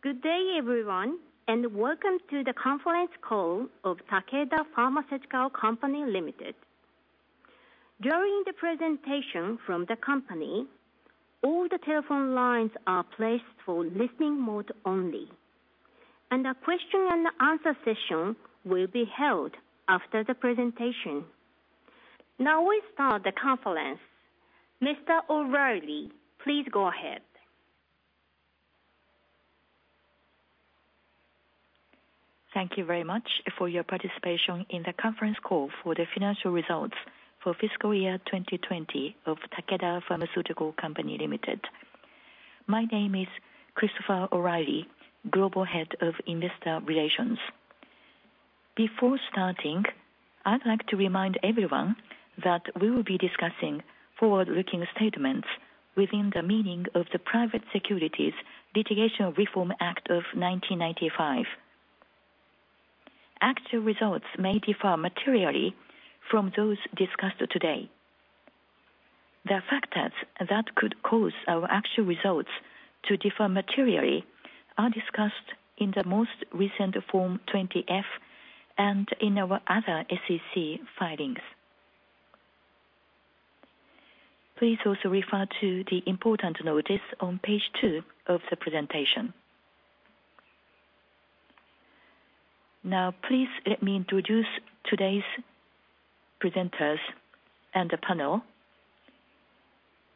Good day everyone. Welcome to the Conference Call of Takeda Pharmaceutical Company Limited. During the presentation from the company, all the telephone lines are placed for listening mode only. A question-and-answer session will be held after the presentation. Now we start the conference. Mr. O'Reilly, please go ahead. Thank you very much for your participation in the conference call for the financial results for fiscal year 2020 of Takeda Pharmaceutical Company Limited. My name is Christopher O'Reilly, Global Head of Investor Relations. Before starting, I'd like to remind everyone that we will be discussing forward-looking statements within the meaning of the Private Securities Litigation Reform Act of 1995. Actual results may differ materially from those discussed today. The factors that could cause our actual results to differ materially are discussed in the most recent Form 20-F and in our other SEC filings. Please also refer to the important notice on page two of the presentation. Please let me introduce today's presenters and the panel.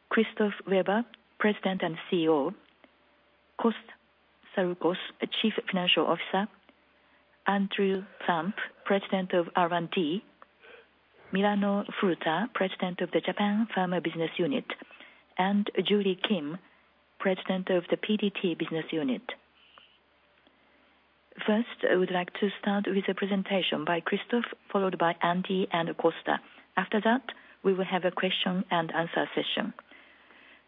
Christophe Weber, President and CEO. Costa Saroukos, Chief Financial Officer. Andrew Plump, President of R&D. Milano Furuta, President of the Japan Pharma Business Unit. Julie Kim, President of the PDT Business Unit. First, I would like to start with a presentation by Christophe, followed by Andy and Costa. After that, we will have a question-and-answer session.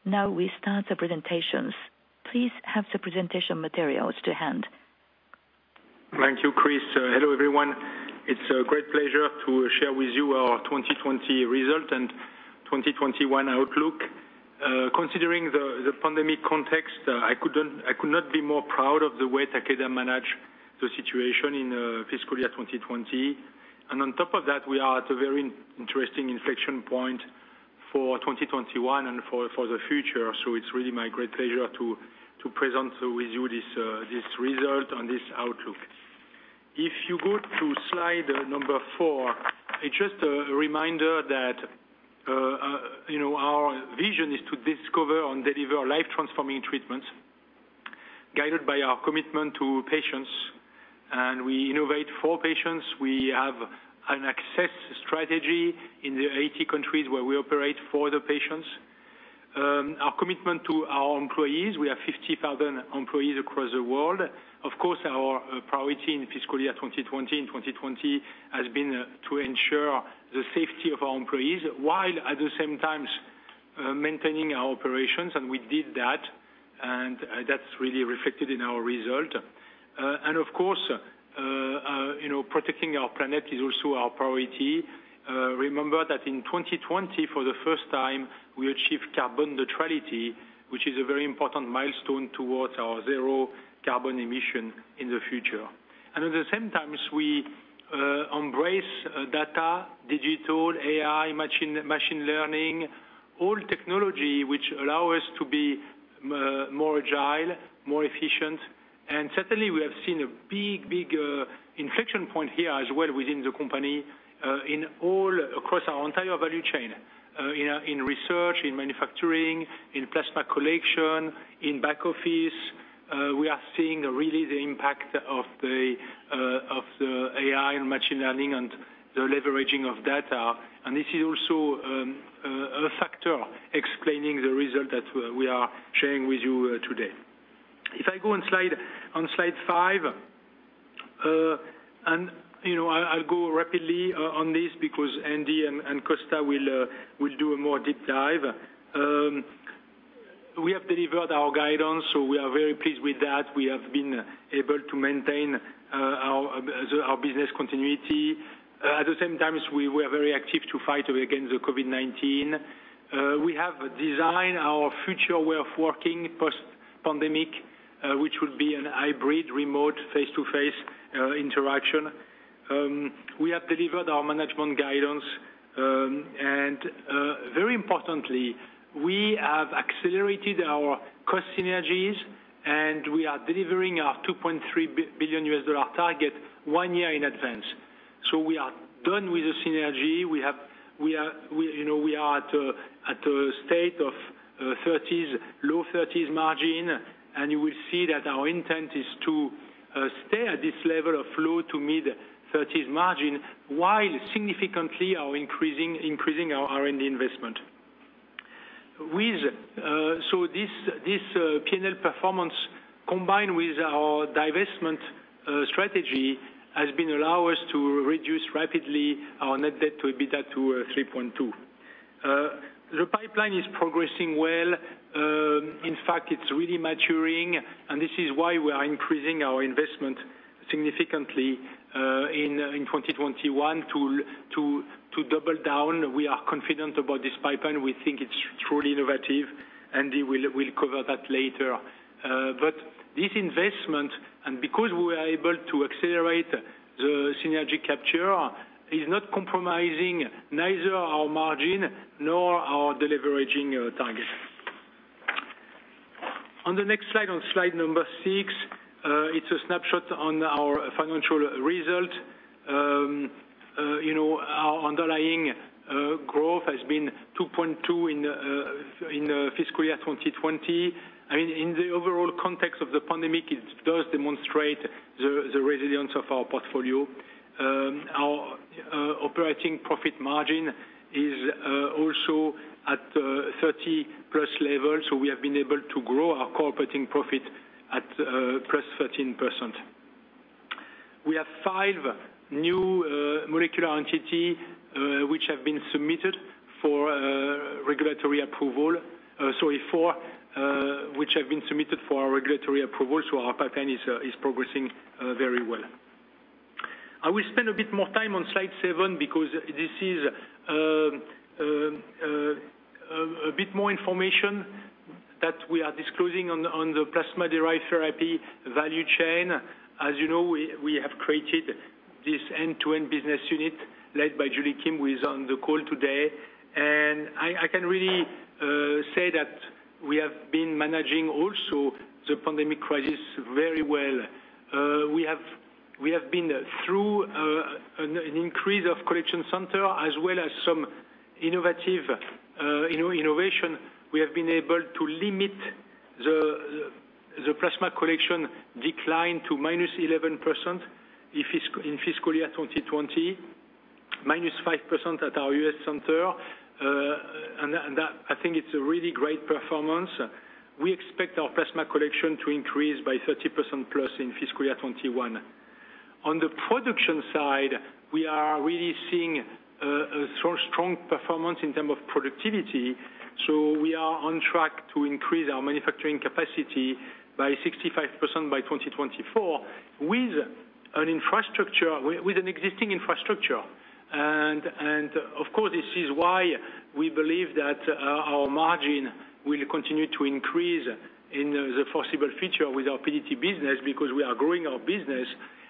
Now we start the presentations. Please have the presentation materials to hand. Thank you, Chris. Hello, everyone. It's a great pleasure to share with you our 2020 result and 2021 outlook. Considering the pandemic context, I could not be more proud of the way Takeda managed the situation in fiscal year 2020. On top of that, we are at a very interesting inflection point for 2021 and for the future. It's really my great pleasure to present with you this result and this outlook. If you go to slide number four, it's just a reminder that our vision is to discover and deliver life-transforming treatments, guided by our commitment to patients, we innovate for patients. We have an access strategy in the 80 countries where we operate for the patients. Our commitment to our employees, we have 50,000 employees across the world. Of course, our priority in fiscal year 2020 has been to ensure the safety of our employees while at the same time maintaining our operations, and we did that. That's really reflected in our result. Of course, protecting our planet is also our priority. Remember that in 2020, for the first time, we achieved carbon neutrality, which is a very important milestone towards our zero carbon emission in the future. At the same time, we embrace data, digital, AI, machine learning, all technology which allow us to be more agile, more efficient. Certainly, we have seen a big inflection point here as well within the company, across our entire value chain. In research, in manufacturing, in plasma collection, in back office, we are seeing really the impact of the AI and machine learning and the leveraging of data. This is also a factor explaining the result that we are sharing with you today. If I go on slide five, I'll go rapidly on this because Andy and Costa will do a more deep dive. We have delivered our guidance; we are very pleased with that. We have been able to maintain our business continuity. At the same time, we were very active to fight against the COVID-19. We have designed our future way of working post-pandemic, which will be a hybrid remote face-to-face interaction. We have delivered our management guidance. Very importantly, we have accelerated our cost synergies, and we are delivering our $2.3 billion target one year in advance. We are done with the synergy. We are at a state of low 30% margin. You will see that our intent is to stay at this level of low to mid-30% margin while significantly increasing our R&D investment. This P&L performance, combined with our divestment strategy, has been allow us to reduce rapidly our net debt to EBITDA to 3.2x. The pipeline is progressing well. In fact, it's really maturing. This is why we are increasing our investment significantly in 2021 to double down. We are confident about this pipeline. We think it's truly innovative. We will cover that later. This investment, because we were able to accelerate the synergy capture, is not compromising neither our margin nor our deleveraging target. On the next slide, on slide number six, it's a snapshot on our financial result. Our underlying growth has been 2.2% in fiscal year 2020. In the overall context of the pandemic, it does demonstrate the resilience of our portfolio. Our operating profit margin is also at 30%+ level, we have been able to grow our core operating profit at +13%. We have five new molecular entities which have been submitted for regulatory approval. Sorry, four which have been submitted for our regulatory approval. Our pipeline is progressing very well. I will spend a bit more time on slide seven because this is a bit more information that we are disclosing on the plasma-derived therapy value chain. As you know, we have created this end-to-end Plasma-Derived Therapies Business Unit led by Julie Kim, who is on the call today. I can really say that we have been managing also the pandemic crisis very well. We have been through an increase of collection center as well as some innovation. We have been able to limit the plasma collection decline to -11% in fiscal year 2020, -5% at our U.S. center. I think it's a really great performance. We expect our plasma collection to increase by 30%+ in fiscal year 2021. On the production side, we are really seeing a strong performance in term of productivity. We are on track to increase our manufacturing capacity by 65% by 2024 with an existing infrastructure. Of course, this is why we believe that our margin will continue to increase in the foreseeable future with our PDT business because we are growing our business,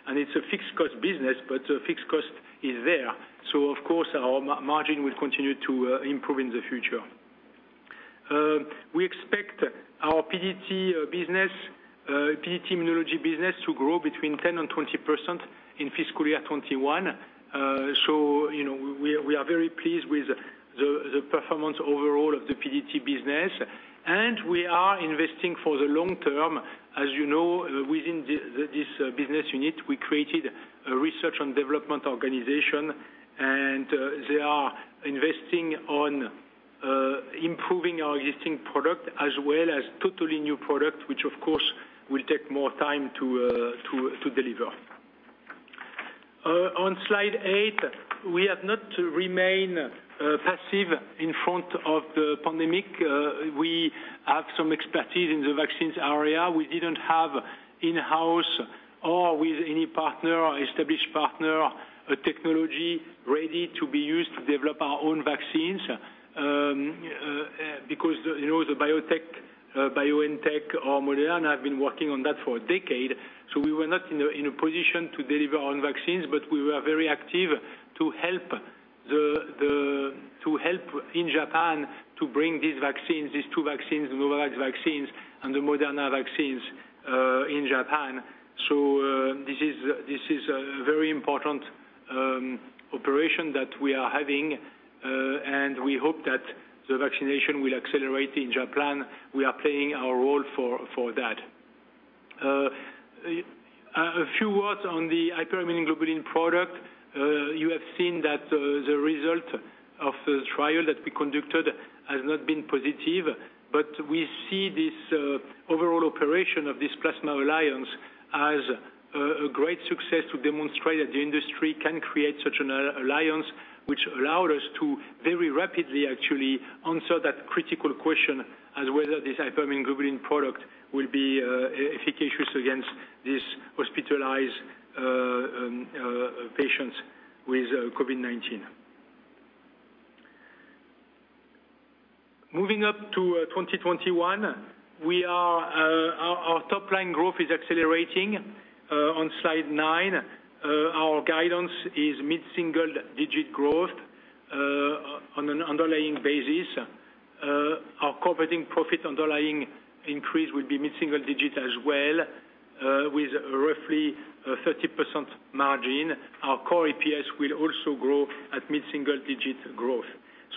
and it's a fixed cost business, but fixed cost is there. Of course, our margin will continue to improve in the future. We expect our PDT Immunology business to grow between 10% and 20% in fiscal year 2021. We are very pleased with the performance overall of the PDT business, and we are investing for the long term. As you know, within this business unit, we created a research and development organization, and they are investing on improving our existing product as well as totally new product, which of course will take more time to deliver. On slide eight, we have not remained passive in front of the pandemic. We have some expertise in the vaccines area. We didn't have in-house or with any established partner, a technology ready to be used to develop our own vaccines. The BioNTech or Moderna have been working on that for a decade. We were not in a position to deliver on vaccines, but we were very active to help in Japan to bring these two vaccines, the Novavax vaccines and the Moderna vaccines in Japan. This is a very important operation that we are having, and we hope that the vaccination will accelerate in Japan, we are playing our role for that. A few words on the hyperimmune globulin product. You have seen that the result of the trial that we conducted has not been positive, but we see this overall operation of this plasma alliance as a great success to demonstrate that the industry can create such an alliance, which allowed us to very rapidly actually answer that critical question as whether this hyperimmune globulin product will be efficacious against these hospitalized patients with COVID-19. Moving up to 2021, our top line growth is accelerating. On slide nine, our guidance is mid-single digit growth on an underlying basis. Our core operating profit underlying increase will be mid-single digit as well, with roughly 30% margin. Our Core EPS will also grow at mid-single digit growth.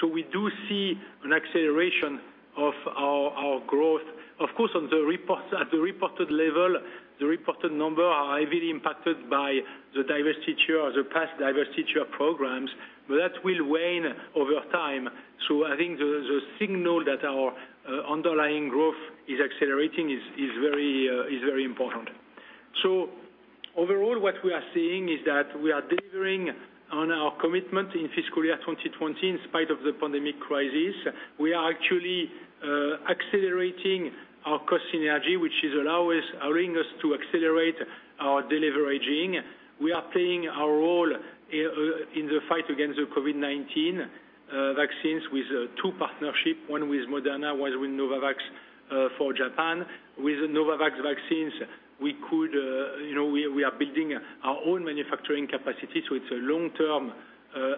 We do see an acceleration of our growth. Of course, at the reported level, the reported number are heavily impacted by the divestiture or the past divestiture programs, but that will wane over time. I think the signal that our underlying growth is accelerating is very important. Overall, what we are seeing is that we are delivering on our commitment in fiscal year 2020, in spite of the pandemic crisis. We are actually accelerating our cost synergy, which is allowing us to accelerate our deleveraging. We are playing a role in the fight against the COVID-19 vaccines with two partnership, one with Moderna, one with Novavax for Japan. With Novavax vaccines, we are building our own manufacturing capacity, so it's a long-term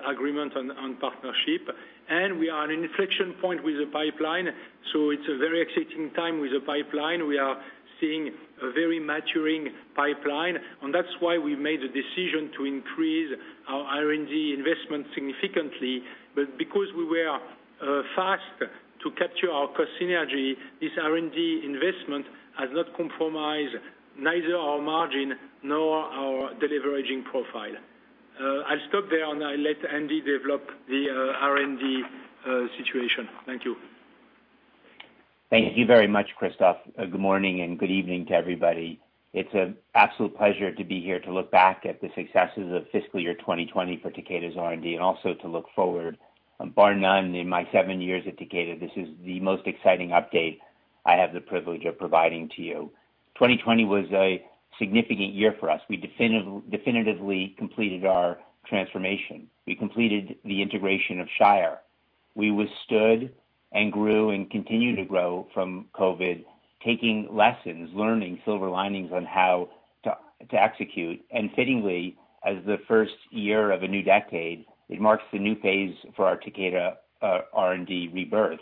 agreement on partnership, and we are at an inflection point with the pipeline. It's a very exciting time with the pipeline. We are seeing a very maturing pipeline, and that's why we made the decision to increase our R&D investment significantly. Because we were fast to capture our cost synergy, this R&D investment has not compromised neither our margin nor our deleveraging profile. I'll stop there, and I'll let Andy develop the R&D situation, thank you. Thank you very much, Christophe. Good morning and good evening to everybody. It's an absolute pleasure to be here to look back at the successes of fiscal year 2020 for Takeda's R&D and also to look forward. Bar none in my seven years at Takeda, this is the most exciting update I have the privilege of providing to you. 2020 was a significant year for us. We definitively completed our transformation. We completed the integration of Shire. We withstood and grew and continue to grow from COVID, taking lessons, learning silver linings on how to execute. Fittingly, as the first year of a new decade, it marks the new phase for our Takeda R&D rebirth,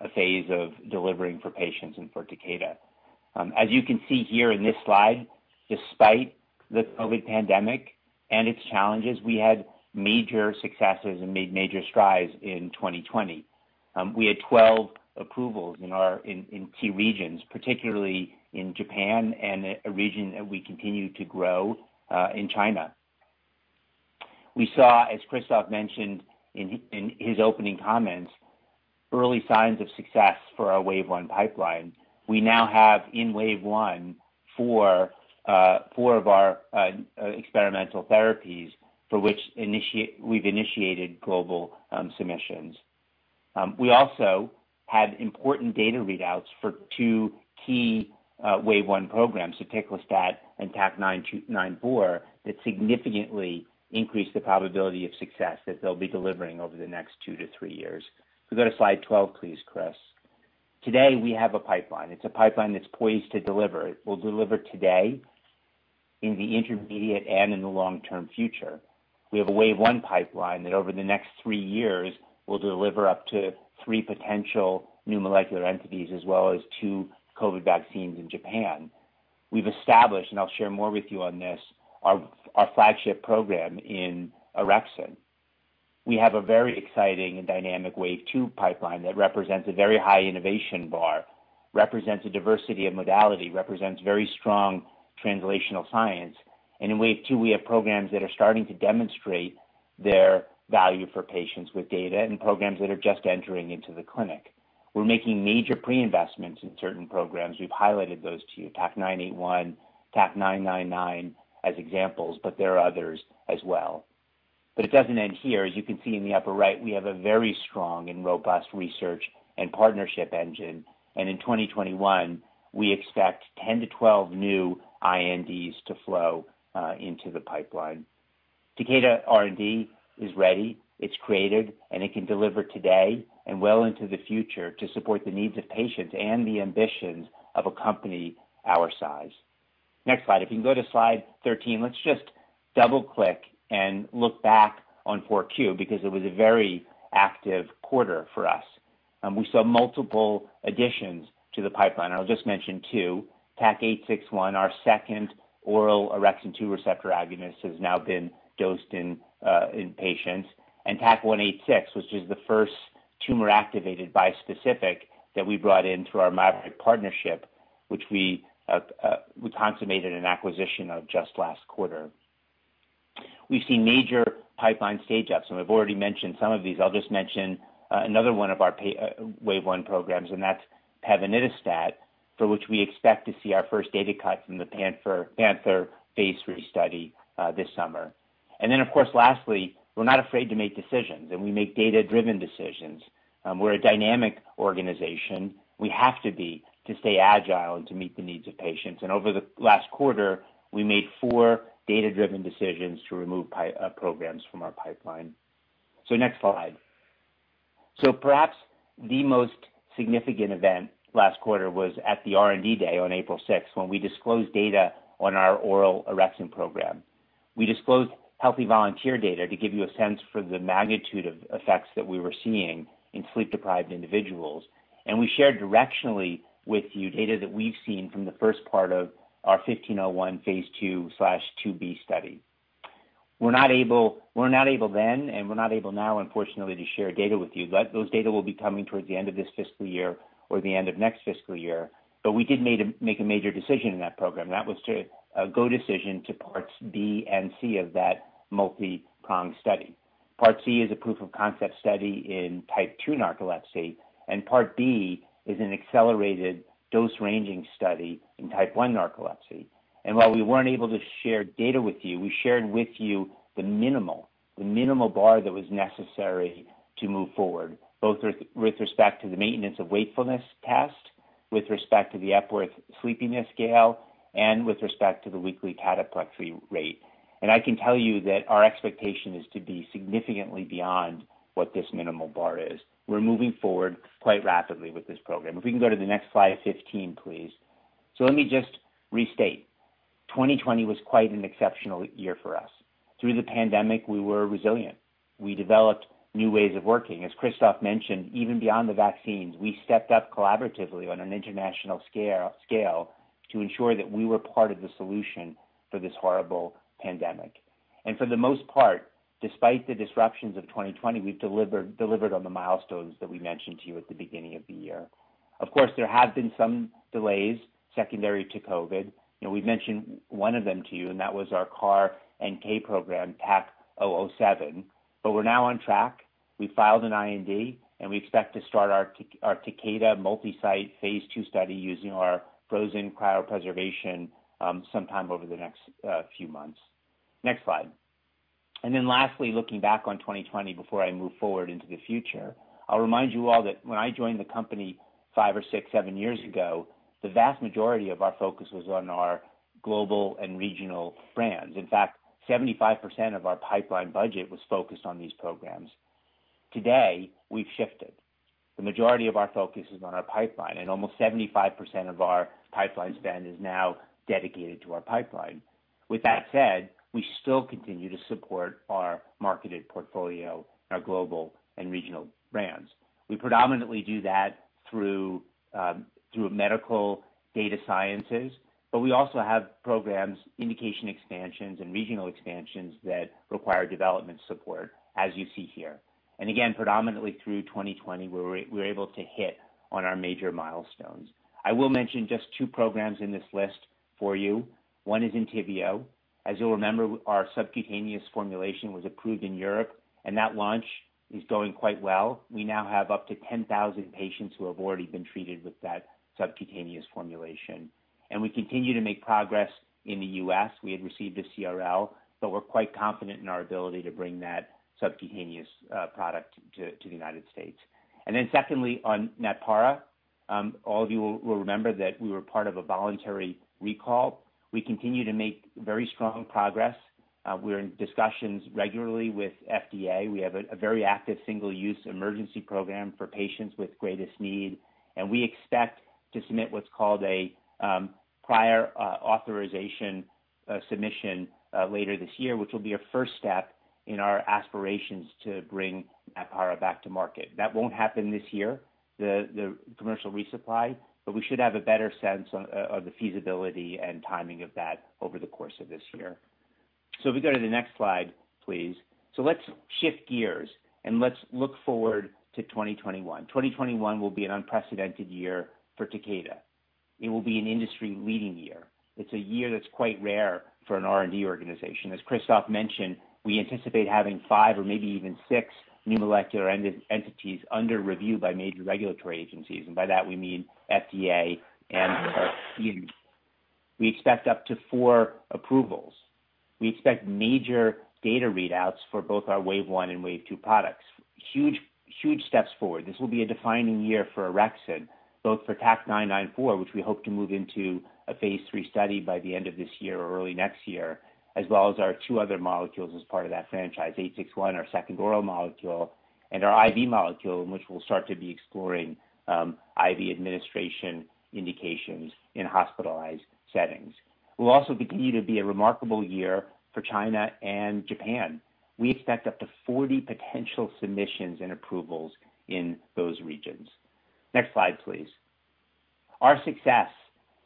a phase of delivering for patients and for Takeda. As you can see here in this slide, despite the COVID pandemic and its challenges, we had major successes and made major strides in 2020. We had 12 approvals in key regions, particularly in Japan and a region that we continue to grow, in China. We saw, as Christophe mentioned in his opening comments, early signs of success for our Wave 1 pipeline. We now have in Wave 1, four of our experimental therapies for which we've initiated global submissions. We also had important data readouts for two key Wave 1 programs, and TAK-994, that significantly increased the probability of success that they'll be delivering over the next two to three years. Can we go to slide 12, please, Chris. Today, we have a pipeline. It's a pipeline that's poised to deliver. It will deliver today, in the intermediate, and in the long-term future. We have a Wave 1 pipeline that over the next three years will deliver up to three potential new molecular entities, as well as two COVID-19 vaccines in Japan. We've established, and I'll share more with you on this, our flagship program in orexin. We have a very exciting and dynamic Wave 2 pipeline that represents a very high innovation bar, represents a diversity of modality, represents very strong translational science. In Wave 2, we have programs that are starting to demonstrate their value for patients with data and programs that are just entering into the clinic. We're making major pre-investments in certain programs. We've highlighted those to you, TAK-981, TAK-999, as examples, but there are others as well. It doesn't end here. As you can see in the upper right, we have a very strong and robust research and partnership engine, and in 2021, we expect 10-12 new INDs to flow into the pipeline. Takeda R&D is ready, it's creative, and it can deliver today and well into the future to support the needs of patients and the ambitions of a company our size. Next slide. If you can go to slide 13, let's just double-click and look back on 4Q because it was a very active quarter for us. We saw multiple additions to the pipeline. I'll just mention two. TAK-861, our second oral orexin 2 receptor agonist, has now been dosed in patients, and TAK-186, which is the first tumor-activated bispecific that we brought into our Maverick partnership, which we consummated an acquisition of just last quarter. We've seen major pipeline stage ups, and I've already mentioned some of these. I'll just mention another one of our Wave 1 programs, and that's pevonedistat, for which we expect to see our first data cut from the PANTHER phase III study this summer. Then, of course, lastly, we're not afraid to make decisions, and we make data-driven decisions. We're a dynamic organization. We have to be to stay agile and to meet the needs of patients. Over the last quarter, we made four data-driven decisions to remove programs from our pipeline. Next slide. Perhaps the most significant event last quarter was at the R&D Day on April six, when we disclosed data on our oral orexin program. We disclosed healthy volunteer data to give you a sense for the magnitude of effects that we were seeing in sleep-deprived individuals. We shared directionally with you data that we've seen from the first part of our 15-01 phase II/II-B study. We were not able then, and we're not able now, unfortunately, to share data with you, but those data will be coming towards the end of this fiscal year or the end of next fiscal year. We did make a major decision in that program, that was a go decision to parts B and C of that multi-pronged study. Part C is a proof-of-concept study in type 2 narcolepsy, and part D is an accelerated dose-ranging study in type 1 narcolepsy. While we weren't able to share data with you, we shared with you the minimal bar that was necessary to move forward, both with respect to the maintenance of wakefulness test, with respect to the Epworth Sleepiness Scale, and with respect to the weekly cataplexy rate. I can tell you that our expectation is to be significantly beyond what this minimal bar is. We're moving forward quite rapidly with this program. If we can go to the next slide, 15, please. Let me just restate. 2020 was quite an exceptional year for us. Through the pandemic, we were resilient. We developed new ways of working. As Christophe mentioned, even beyond the vaccines, we stepped up collaboratively on an international scale to ensure that we were part of the solution for this horrible pandemic. For the most part, despite the disruptions of 2020, we've delivered on the milestones that we mentioned to you at the beginning of the year. Of course, there have been some delays secondary to COVID. We've mentioned one of them to you, and that was our CAR NK program, TAK-007. We're now on track. We filed an IND. We expect to start our Takeda multi-site phase II study using our frozen cryopreservation sometime over the next few months. Next slide. Lastly, looking back on 2020, before I move forward into the future, I'll remind you all that when I joined the company five or six, seven years ago, the vast majority of our focus was on our global and regional brands. In fact, 75% of our pipeline budget was focused on these programs. Today, we've shifted. The majority of our focus is on our pipeline, and almost 75% of our pipeline spend is now dedicated to our pipeline. With that said, we still continue to support our marketed portfolio and our global and regional brands. We predominantly do that through medical data sciences, but we also have programs, indication expansions, and regional expansions that require development support, as you see here. Predominantly through 2020, we were able to hit on our major milestones. I will mention just two programs in this list for you. One is ENTYVIO. As you'll remember, our subcutaneous formulation was approved in Europe, and that launch is going quite well. We now have up to 10,000 patients who have already been treated with that subcutaneous formulation. We continue to make progress in the U.S. We had received a CRL, but we're quite confident in our ability to bring that subcutaneous product to the United States. Secondly, on NATPARA. All of you will remember that we were part of a voluntary recall. We continue to make very strong progress. We're in discussions regularly with FDA. We have a very active single-use emergency program for patients with greatest need. We expect to submit what's called a prior authorization submission later this year, which will be a first step in our aspirations to bring NATPARA back to market. That won't happen this year, the commercial resupply, but we should have a better sense of the feasibility and timing of that over the course of this year. If we go to the next slide, please. Let's shift gears and let's look forward to 2021. 2021 will be an unprecedented year for Takeda. It will be an industry-leading year. It's a year that's quite rare for an R&D organization. As Christophe mentioned, we anticipate having five or maybe even six new molecular entities under review by major regulatory agencies, and by that we mean FDA and EMA. We expect up to four approvals. We expect major data readouts for both our Wave 1 and Wave 2 products. Huge steps forward. This will be a defining year for orexin, both for TAK-994, which we hope to move into a phase III study by the end of this year or early next year, as well as our two other molecules as part of that franchise, TAK-861, our second oral molecule, and our IV molecule, in which we'll start to be exploring IV administration indications in hospitalized settings. It will also be a remarkable year for China and Japan. We expect up to 40 potential submissions and approvals in those regions. Next slide, please. Our success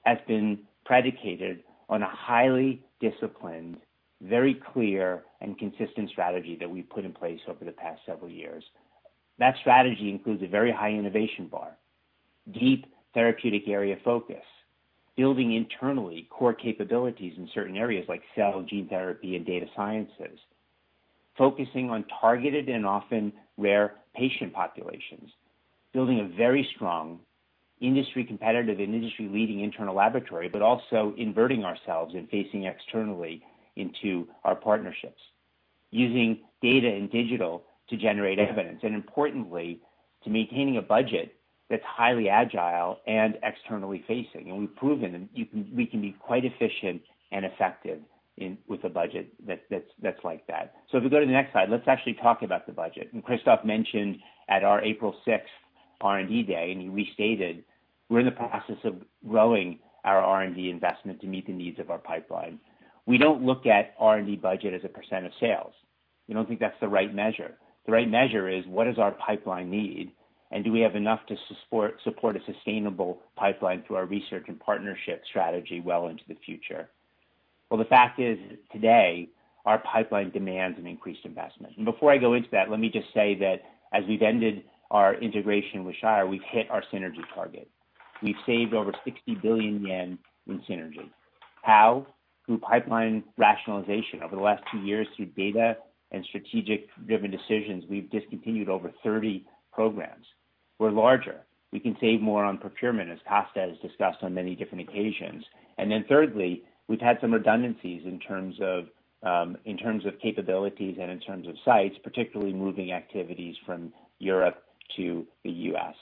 has been predicated on a highly disciplined, very clear, and consistent strategy that we've put in place over the past several years. That strategy includes a very high innovation bar, deep therapeutic area focus, building internally core capabilities in certain areas like cell gene therapy and data sciences, focusing on targeted and often rare patient populations, building a very strong industry competitive and industry-leading internal laboratory, but also inverting ourselves and facing externally into our partnerships, using data and digital to generate evidence, importantly, to maintaining a budget that's highly agile and externally facing. We've proven we can be quite efficient and effective with a budget that's like that. If we go to the next slide, let's actually talk about the budget. Christophe mentioned at our April sixth R&D day, he restated, we're in the process of growing our R&D investment to meet the needs of our pipeline. We don't look at R&D budget as a percent of sales, we don't think that's the right measure. The right measure is what does our pipeline need, and do we have enough to support a sustainable pipeline through our research and partnership strategy well into the future? The fact is, today, our pipeline demands an increased investment. Before I go into that, let me just say that as we've ended our integration with Shire, we've hit our synergy target. We've saved over 60 billion yen in synergies. How? Through pipeline rationalization. Over the last two years, through data and strategic-driven decisions, we've discontinued over 30 programs. We're larger. We can save more on procurement, as Costa has discussed on many different occasions. Thirdly, we've had some redundancies in terms of capabilities and in terms of sites, particularly moving activities from Europe to the U.S.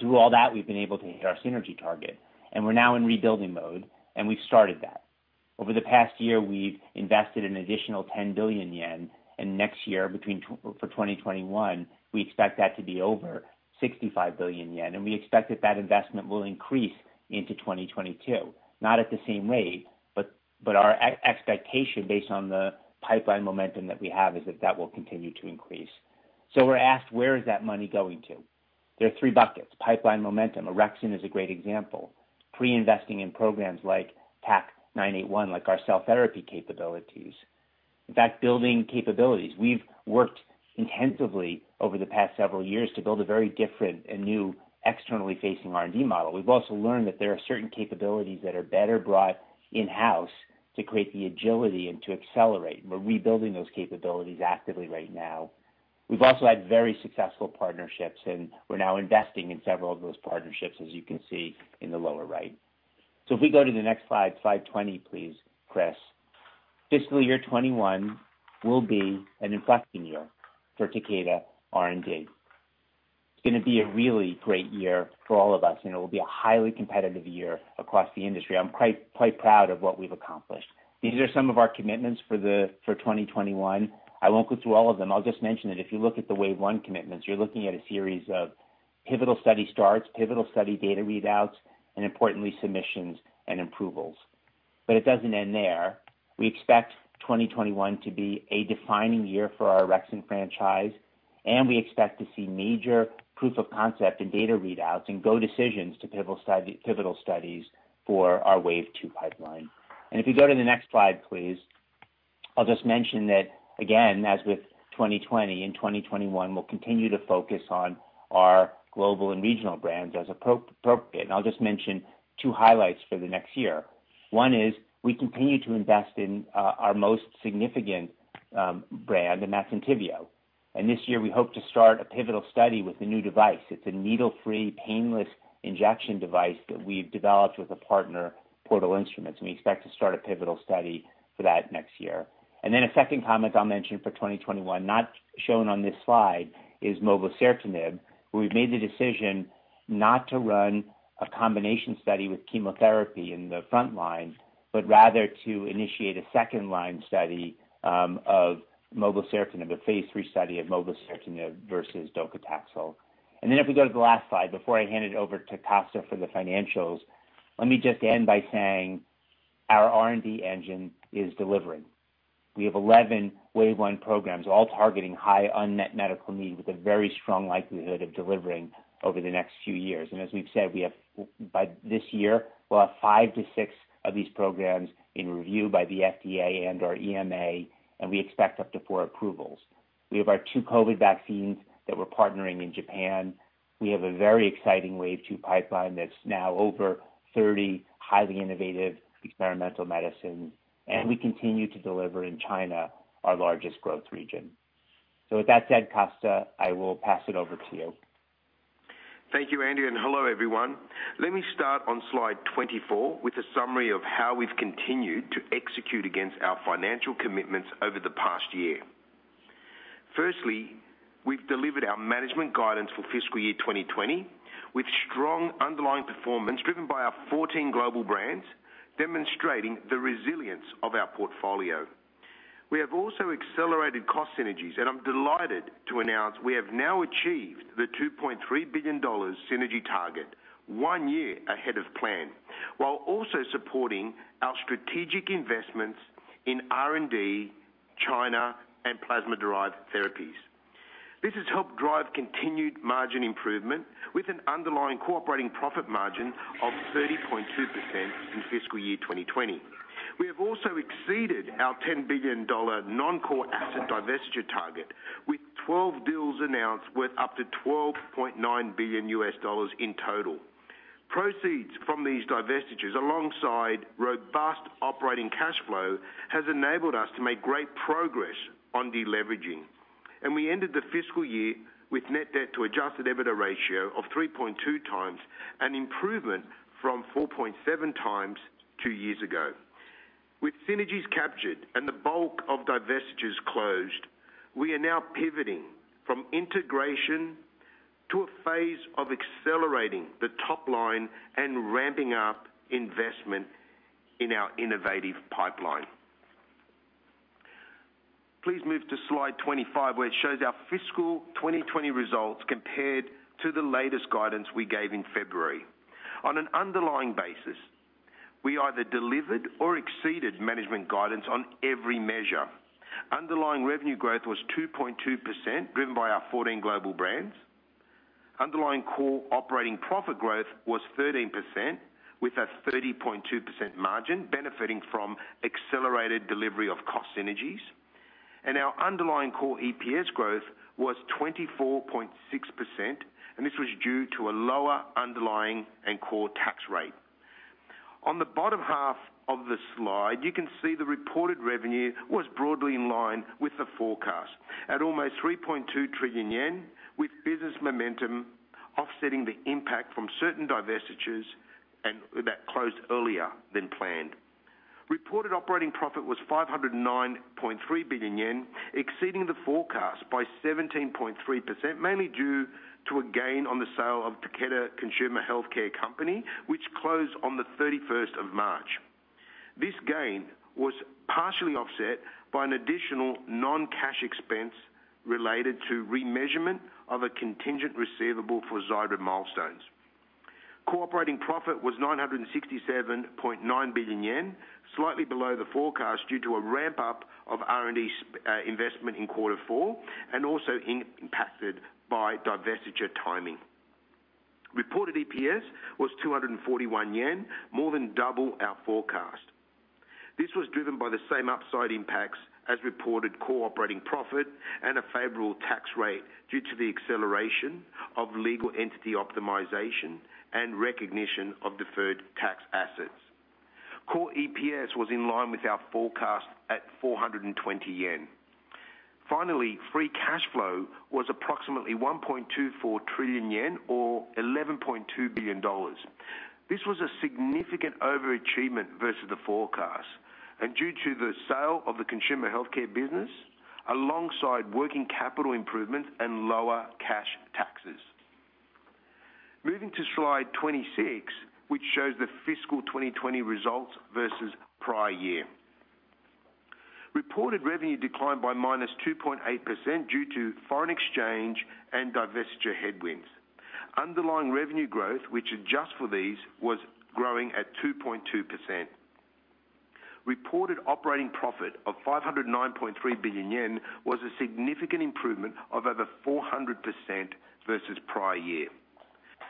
Through all that, we've been able to hit our synergy target. We're now in rebuilding mode, and we've started that. Over the past year, we've invested an additional 10 billion yen, and next year, for 2021, we expect that to be over 65 billion yen. We expect that that investment will increase into 2022. Not at the same rate, our expectation, based on the pipeline momentum that we have, is that that will continue to increase. We're asked, where is that money going to? There are three buckets. Pipeline momentum. orexin is a great example. Pre-investing in programs like TAK-981, like our cell therapy capabilities. In fact, building capabilities. We've worked intensively over the past several years to build a very different and new externally facing R&D model. We've also learned that there are certain capabilities that are better brought in-house to create the agility and to accelerate. We're rebuilding those capabilities actively right now. We've also had very successful partnerships, and we're now investing in several of those partnerships, as you can see in the lower right. If we go to the next slide 20 please, Chris. Fiscal year 2021 will be an inflection year for Takeda R&D. It's going to be a really great year for all of us, and it will be a highly competitive year across the industry. I'm quite proud of what we've accomplished. These are some of our commitments for 2021. I won't go through all of them. I'll just mention that if you look at the Wave 1 commitments, you're looking at a series of pivotal study starts, pivotal study data readouts, and importantly, submissions and approvals. It doesn't end there. We expect 2021 to be a defining year for our orexin franchise, and we expect to see major proof of concept in data readouts and go decisions to pivotal studies for our Wave 2 pipeline. If you go to the next slide, please. I'll just mention that, again, as with 2020, in 2021, we'll continue to focus on our global and regional brands as appropriate. I'll just mention two highlights for the next year. One is we continue to invest in our most significant brand, and that's ENTYVIO. This year, we hope to start a pivotal study with the new device. It's a needle-free, painless injection device that we've developed with a partner, Portal Instruments, and we expect to start a pivotal study for that next year. A second comment I'll mention for 2021, not shown on this slide, is mobocertinib, where we've made the decision not to run a combination study with chemotherapy in the front line, but rather to initiate a second line study of mobocertinib, a phase III study of mobocertinib versus docetaxel. If we go to the last slide, before I hand it over to Costa for the financials, let me just end by saying our R&D engine is delivering. We have 11 Wave 1 programs, all targeting high unmet medical need with a very strong likelihood of delivering over the next few years. As we've said, by this year, we'll have five to six of these programs in review by the FDA and/or EMA, and we expect up to four approvals. We have our two COVID vaccines that we're partnering in Japan. We have a very exciting Wave 2 pipeline that's now over 30 highly innovative experimental medicines, and we continue to deliver in China, our largest growth region. With that said, Costa, I will pass it over to you. Thank you, Andy. Hello, everyone. Let me start on slide 24 with a summary of how we've continued to execute against our financial commitments over the past year. Firstly, we've delivered our management guidance for fiscal year 2020 with strong underlying performance driven by our 14 global brands, demonstrating the resilience of our portfolio. We have also accelerated cost synergies. I'm delighted to announce we have now achieved the $2.3 billion synergy target one year ahead of plan, while also supporting our strategic investments in R&D, China, and plasma-derived therapies. This has helped drive continued margin improvement with an underlying core operating profit margin of 30.2% in fiscal year 2020. We have also exceeded our $10 billion non-core asset divestiture target with 12 deals announced worth up to $12.9 billion in total. Proceeds from these divestitures, alongside robust operating cash flow, has enabled us to make great progress on deleveraging. We ended the fiscal year with net debt to adjusted EBITDA ratio of 3.2x, an improvement from 4.7x two years ago. With synergies captured and the bulk of divestitures closed, we are now pivoting from integration to a phase of accelerating the top line and ramping up investment in our innovative pipeline. Please move to slide 25, where it shows our fiscal 2020 results compared to the latest guidance we gave in February. On an underlying basis, we either delivered or exceeded management guidance on every measure. Underlying revenue growth was 2.2%, driven by our 14 global brands. Underlying core operating profit growth was 13%, with a 30.2% margin benefiting from accelerated delivery of cost synergies. Our underlying Core EPS growth was 24.6%, and this was due to a lower underlying and core tax rate. On the bottom half of the slide, you can see the reported revenue was broadly in line with the forecast at almost 3.2 trillion yen, with business momentum offsetting the impact from certain divestitures, and that closed earlier than planned. Reported operating profit was 509.3 billion yen, exceeding the forecast by 17.3%, mainly due to a gain on the sale of Takeda Consumer Healthcare Company Limited, which closed on the 31st of March. This gain was partially offset by an additional non-cash expense related to remeasurement of a contingent receivable for Xiidra milestones. Core operating profit was 967.9 billion yen, slightly below the forecast due to a ramp-up of R&D investment in quarter four. Also impacted by divestiture timing. Reported EPS was 241 yen, more than double our forecast. This was driven by the same upside impacts as reported core operating profit. A favorable tax rate due to the acceleration of legal entity optimization and recognition of deferred tax assets. Core EPS was in line with our forecast at 420 yen. Finally, free cash flow was approximately 1.24 trillion yen or $11.2 billion. This was a significant overachievement versus the forecast, due to the sale of the consumer healthcare business, alongside working capital improvements and lower cash taxes. Moving to slide 26, which shows the fiscal 2020 results versus prior year. Reported revenue declined by -2.8% due to foreign exchange and divestiture headwinds. Underlying revenue growth, which adjusts for these, was growing at 2.2%. Reported operating profit of 509.3 billion yen was a significant improvement of over 400% versus prior year.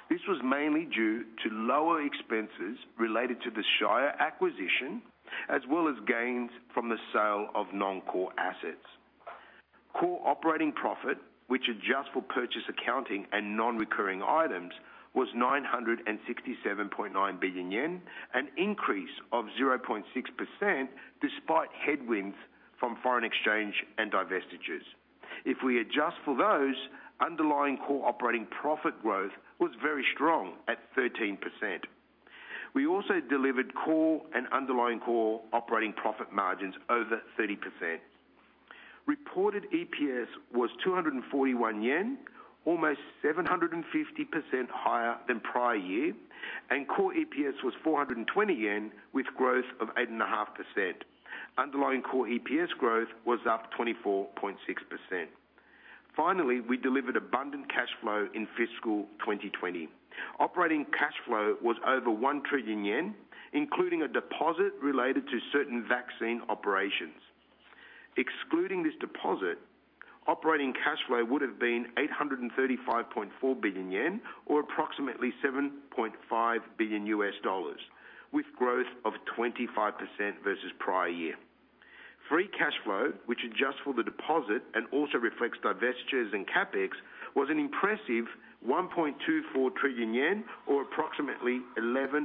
This was mainly due to lower expenses related to the Shire acquisition, as well as gains from the sale of non-core assets. Core operating profit, which adjusts for purchase accounting and non-recurring items, was 967.9 billion yen, an increase of 0.6% despite headwinds from foreign exchange and divestitures. If we adjust for those, underlying core operating profit growth was very strong at 13%. We also delivered core and underlying core operating profit margins over 30%. Reported EPS was 241 yen, almost 750% higher than prior year, and core EPS was 420 yen with growth of 8.5%. Underlying core EPS growth was up 24.6%. Finally, we delivered abundant cash flow in fiscal 2020. Operating cash flow was over 1 trillion yen, including a deposit related to certain vaccine operations. Excluding this deposit, operating cash flow would've been 835.4 billion yen or approximately $7.5 billion, with growth of 25% versus prior year. Free cash flow, which adjusts for the deposit and also reflects divestitures and CapEx, was an impressive 1.24 trillion yen or approximately $11.2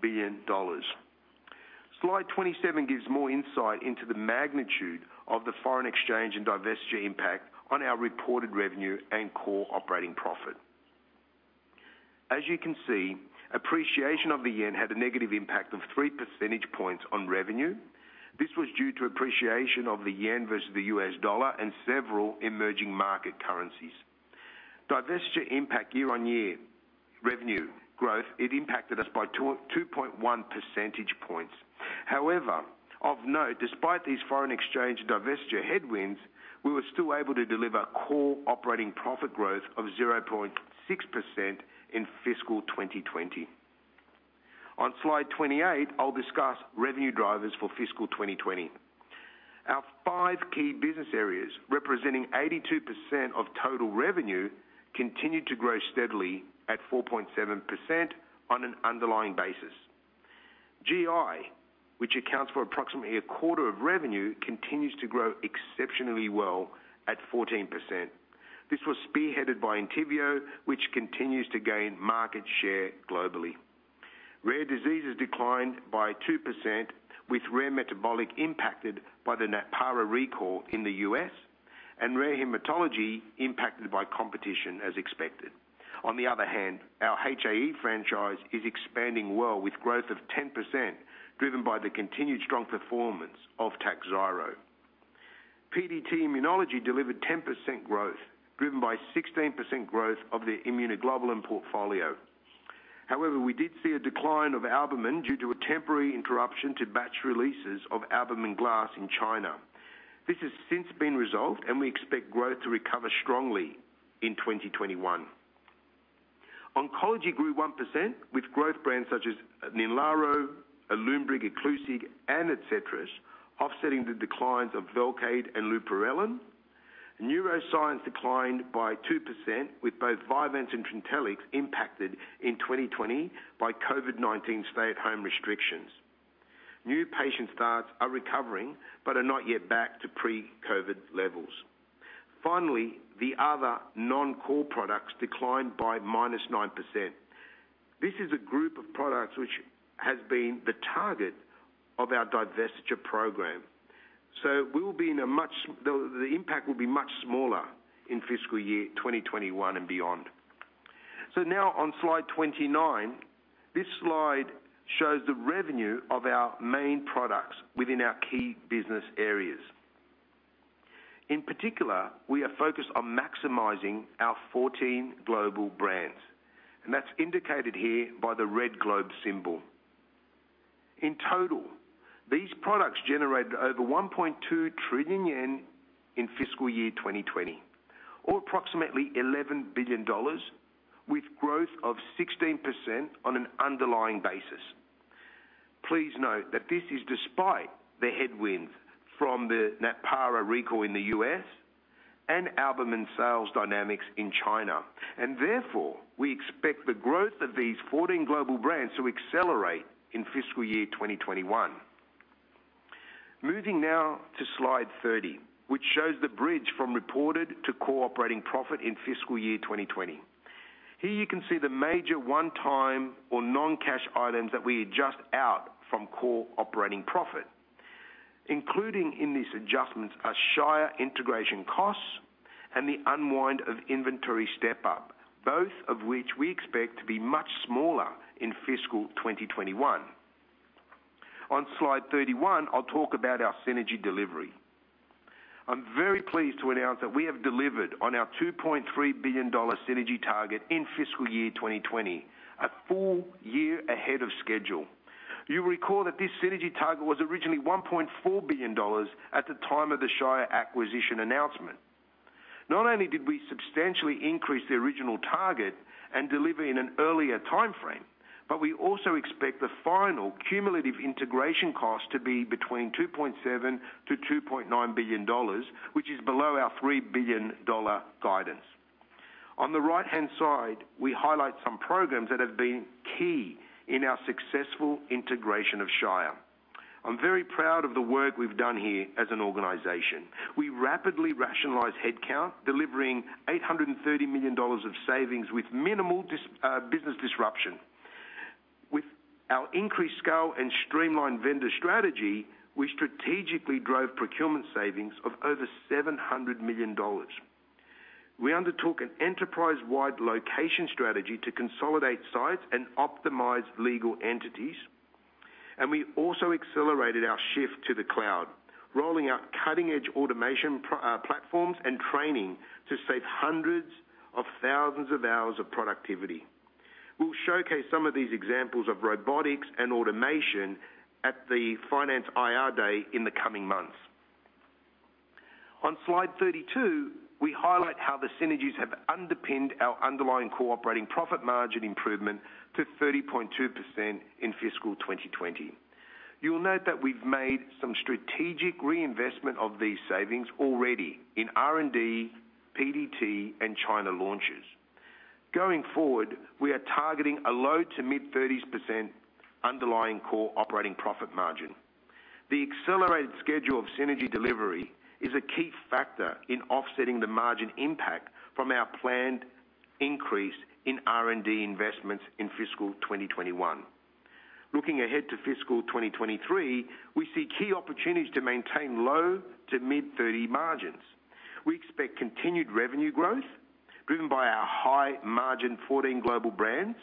billion. Slide 27 gives more insight into the magnitude of the foreign exchange and divestiture impact on our reported revenue and core operating profit. As you can see, appreciation of the yen had a negative impact of three percentage points on revenue. This was due to appreciation of the yen versus the U.S. dollar and several emerging market currencies. Divestiture impact year-over-year revenue growth, it impacted us by 2.1 percentage points. Of note, despite these foreign exchange divestiture headwinds, we were still able to deliver core operating profit growth of 0.6% in fiscal 2020. On slide 28, I'll discuss revenue drivers for fiscal 2020. Our five key business areas, representing 82% of total revenue, continued to grow steadily at 4.7% on an underlying basis. GI, which accounts for approximately a quarter of revenue, continues to grow exceptionally well at 14%. This was spearheaded by ENTYVIO, which continues to gain market share globally. Rare diseases declined by 2%, with rare metabolic impacted by the NATPARA recall in the U.S. and rare hematology impacted by competition as expected. On the other hand, our HAE franchise is expanding well with growth of 10%, driven by the continued strong performance of TAKHZYRO. PDT Immunology delivered 10% growth, driven by 16% growth of the immunoglobulin portfolio. However, we did see a decline of albumin due to a temporary interruption to batch releases of albumin glass in China. This has since been resolved, and we expect growth to recover strongly in 2021. Oncology grew 1% with growth brands such as NINLARO, ALUNBRIG, EXKIVITY, and ENTYVIO offsetting the declines of VELCADE and LEUPLIN. Neuroscience declined by 2%, with both VYVANSE and TRINTELLIX impacted in 2020 by COVID-19 stay-at-home restrictions. New patient starts are recovering, but are not yet back to pre-COVID levels. Finally, the other non-core products declined by -9%. This is a group of products which has been the target of our divestiture program. The impact will be much smaller in fiscal year 2021 and beyond. Now on slide 29, this slide shows the revenue of our main products within our key business areas. In particular, we are focused on maximizing our 14 global brands, that's indicated here by the red globe symbol. In total, these products generated over 1.2 trillion yen in fiscal year 2020, or approximately $11 billion, with growth of 16% on an underlying basis. Please note that this is despite the headwinds from the NATPARA recall in the U.S. and albumin sales dynamics in China. Therefore, we expect the growth of these 14 global brands to accelerate in fiscal year 2021. Moving now to slide 30, which shows the bridge from reported to core operating profit in fiscal year 2020. Here you can see the major one-time or non-cash items that we adjust out from core operating profit. Including in these adjustments are Shire integration costs and the unwind of inventory step-up, both of which we expect to be much smaller in fiscal 2021. On slide 31, I'll talk about our synergy delivery. I'm very pleased to announce that we have delivered on our $2.3 billion synergy target in fiscal year 2020, a full year ahead of schedule. You'll recall that this synergy target was originally $1.4 billion at the time of the Shire acquisition announcement. Not only did we substantially increase the original target and deliver in an earlier timeframe, but we also expect the final cumulative integration cost to be between $2.7 billion-$2.9 billion, which is below our $3 billion guidance. On the right-hand side, we highlight some programs that have been key in our successful integration of Shire. I'm very proud of the work we've done here as an organization. We rapidly rationalized headcount, delivering $830 million of savings with minimal business disruption. With our increased scale and streamlined vendor strategy, we strategically drove procurement savings of over $700 million. We undertook an enterprise-wide location strategy to consolidate sites and optimize legal entities. We also accelerated our shift to the cloud, rolling out cutting-edge automation platforms and training to save hundreds of thousands of hours of productivity. We'll showcase some of these examples of robotics and automation at the finance IR day in the coming months. On slide 32, we highlight how the synergies have underpinned our underlying core operating profit margin improvement to 30.2% in fiscal 2020. You'll note that we've made some strategic reinvestment of these savings already in R&D, PDT, and China launches. Going forward, we are targeting a low to mid-30% underlying core operating profit margin. The accelerated schedule of synergy delivery is a key factor in offsetting the margin impact from our planned increase in R&D investments in fiscal 2021. Looking ahead to fiscal 2023, we see key opportunities to maintain low to mid-30% margins. We expect continued revenue growth driven by our high-margin 14 global brands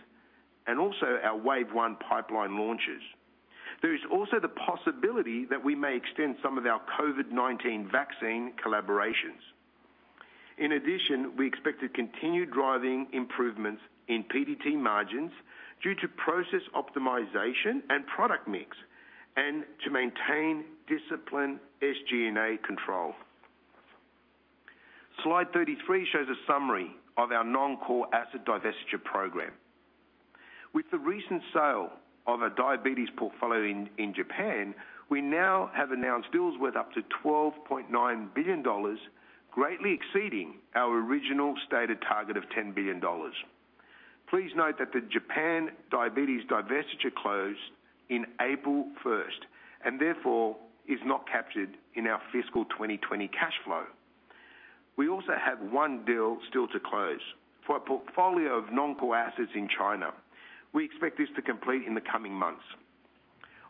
and also our Wave 1 pipeline launches. There is also the possibility that we may extend some of our COVID-19 vaccine collaborations. In addition, we expect to continue driving improvements in PDT margins due to process optimization and product mix, and to maintain disciplined SG&A control. Slide 33 shows a summary of our non-core asset divestiture program. With the recent sale of a diabetes portfolio in Japan, we now have announced deals worth up to $12.9 billion, greatly exceeding our original stated target of $10 billion. Please note that the Japan diabetes divestiture closed in April 1st, and therefore is not captured in our fiscal 2020 cash flow. We also have one deal still to close for a portfolio of non-core assets in China. We expect this to complete in the coming months.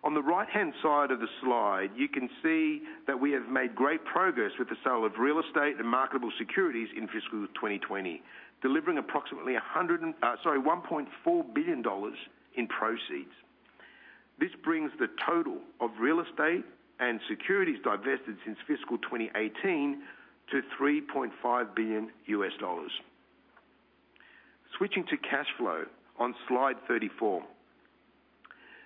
On the right-hand side of the slide, you can see that we have made great progress with the sale of real estate and marketable securities in fiscal 2020, delivering approximately $1.4 billion in proceeds. This brings the total of real estate and securities divested since fiscal 2018 to $3.5 billion. Switching to cash flow on slide 34.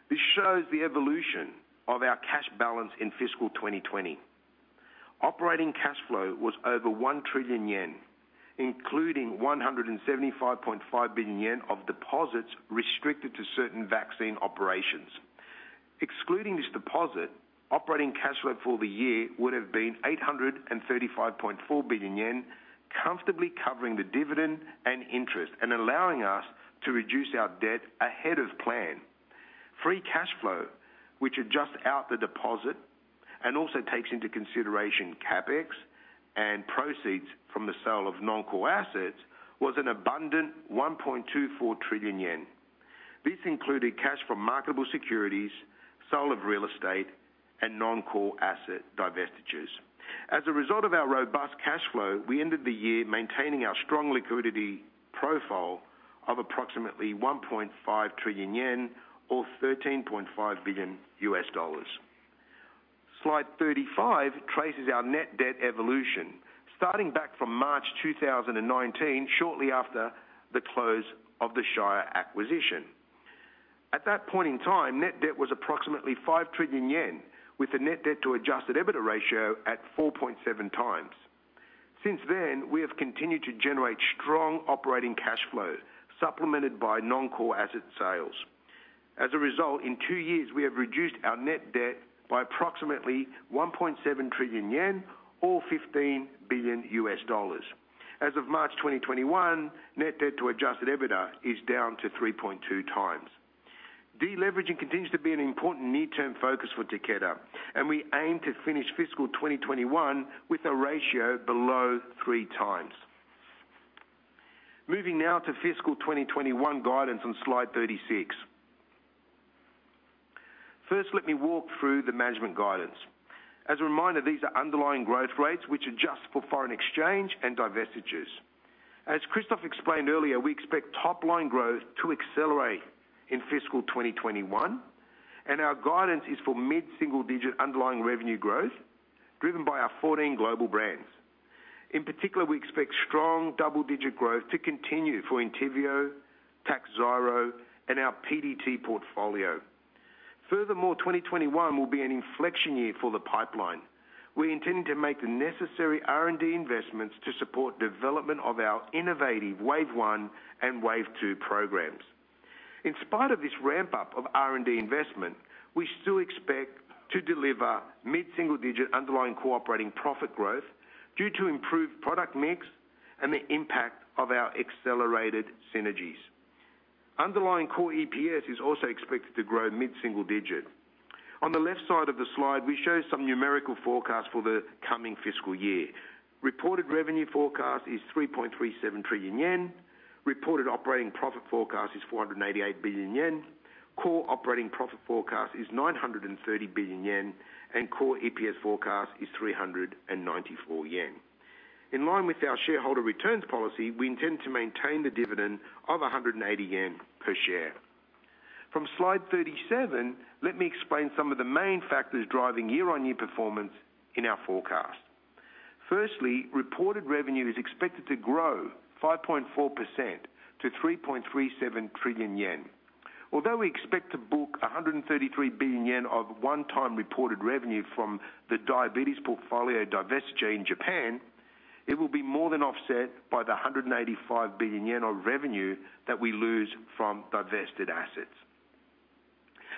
This shows the evolution of our cash balance in fiscal 2020. Operating cash flow was over 1 trillion yen, including 175.5 billion yen of deposits restricted to certain vaccine operations. Excluding this deposit, operating cash flow for the year would have been 835.4 billion yen, comfortably covering the dividend and interest and allowing us to reduce our debt ahead of plan. Free cash flow, which adjusts out the deposit and also takes into consideration CapEx and proceeds from the sale of non-core assets, was an abundant 1.24 trillion yen. This included cash from marketable securities, sale of real estate, and non-core asset divestitures. As a result of our robust cash flow, we ended the year maintaining our strong liquidity profile of approximately 1.5 trillion yen or $13.5 billion. Slide 35 traces our net debt evolution starting back from March 2019, shortly after the close of the Shire acquisition. At that point in time, net debt was approximately 5 trillion yen, with the net debt to adjusted EBITDA ratio at 4.7x Since then, we have continued to generate strong operating cash flow, supplemented by non-core asset sales. As a result, in two years, we have reduced our net debt by approximately 1.7 trillion yen or $15 billion. As of March 2021, net debt to adjusted EBITDA is down to 3.2x. Deleveraging continues to be an important near-term focus for Takeda, and we aim to finish fiscal 2021 with a ratio below three times. Moving now to fiscal 2021 guidance on Slide 36. First, let me walk through the management guidance. As a reminder, these are underlying growth rates which adjust for foreign exchange and divestitures. As Christophe explained earlier, we expect top-line growth to accelerate in fiscal 2021, and our guidance is for mid-single-digit underlying revenue growth driven by our 14 global brands. In particular, we expect strong double-digit growth to continue for ENTYVIO, TAKHZYRO, and our PDT portfolio. Furthermore, 2021 will be an inflection year for the pipeline. We intend to make the necessary R&D investments to support development of our innovative Wave 1 and Wave 2 programs. In spite of this ramp-up of R&D investment, we still expect to deliver mid-single-digit underlying core operating profit growth due to improved product mix and the impact of our accelerated synergies. Underlying Core EPS is also expected to grow mid-single digit. On the left side of the slide, we show some numerical forecasts for the coming fiscal year. Reported revenue forecast is 3.37 trillion yen. Reported operating profit forecast is 488 billion yen. Core operating profit forecast is 930 billion yen, and Core EPS forecast is 394 yen. In line with our shareholder returns policy, we intend to maintain the dividend of 180 yen per share. From Slide 37, let me explain some of the main factors driving year-on-year performance in our forecast. Firstly, reported revenue is expected to grow 5.4% to 3.37 trillion yen. Although we expect to book 133 billion yen of one-time reported revenue from the diabetes portfolio divestiture in Japan, it will be more than offset by the 185 billion yen of revenue that we lose from divested assets.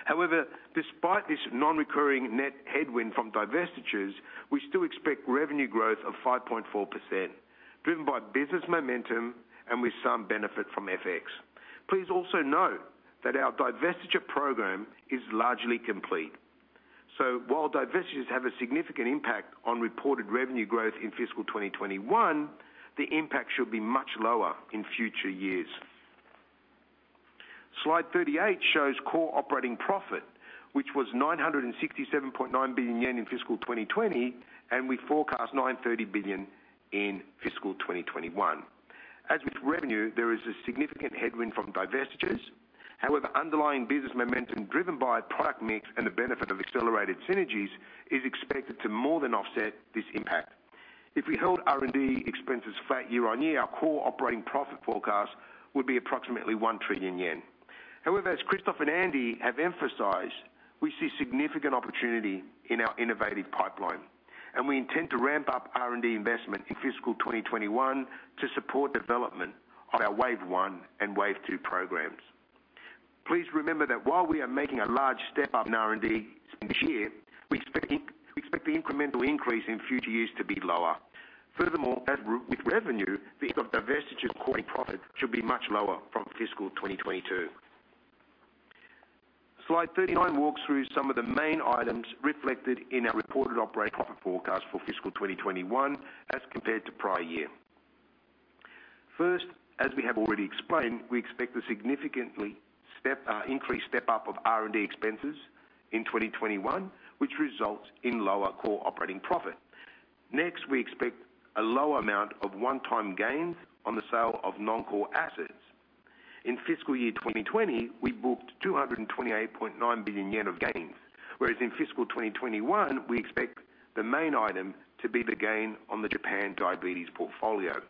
However, despite this non-recurring net headwind from divestitures, we still expect revenue growth of 5.4%, driven by business momentum and with some benefit from FX. Please also note that our divestiture program is largely complete. While divestitures have a significant impact on reported revenue growth in fiscal 2021, the impact should be much lower in future years. Slide 38 shows core operating profit, which was 967.9 billion yen in fiscal 2020, and we forecast 930 billion in fiscal 2021. As with revenue, there is a significant headwind from divestitures. However, underlying business momentum driven by product mix and the benefit of accelerated synergies is expected to more than offset this impact. If we held R&D expenses flat year-on-year, our core operating profit forecast would be approximately 1 trillion yen. As Christophe and Andy have emphasized, we see significant opportunity in our innovative pipeline, and we intend to ramp up R&D investment in fiscal 2021 to support development of our Wave 1 and Wave 2 programs. Please remember that while we are making a large step up in R&D spend this year, we expect the incremental increase in future years to be lower. As with revenue, the impact of divestiture core operating profit should be much lower from fiscal 2022. Slide 39 walks through some of the main items reflected in our reported operating profit forecast for fiscal 2021 as compared to prior year. As we have already explained, we expect a significantly increased step-up of R&D expenses in 2021, which results in lower core operating profit. Next, we expect a low amount of one-time gains on the sale of non-core assets. In fiscal year 2020, we booked 228.9 billion yen of gains, whereas in fiscal 2021, we expect the main item to be the gain on the Japan diabetes portfolio.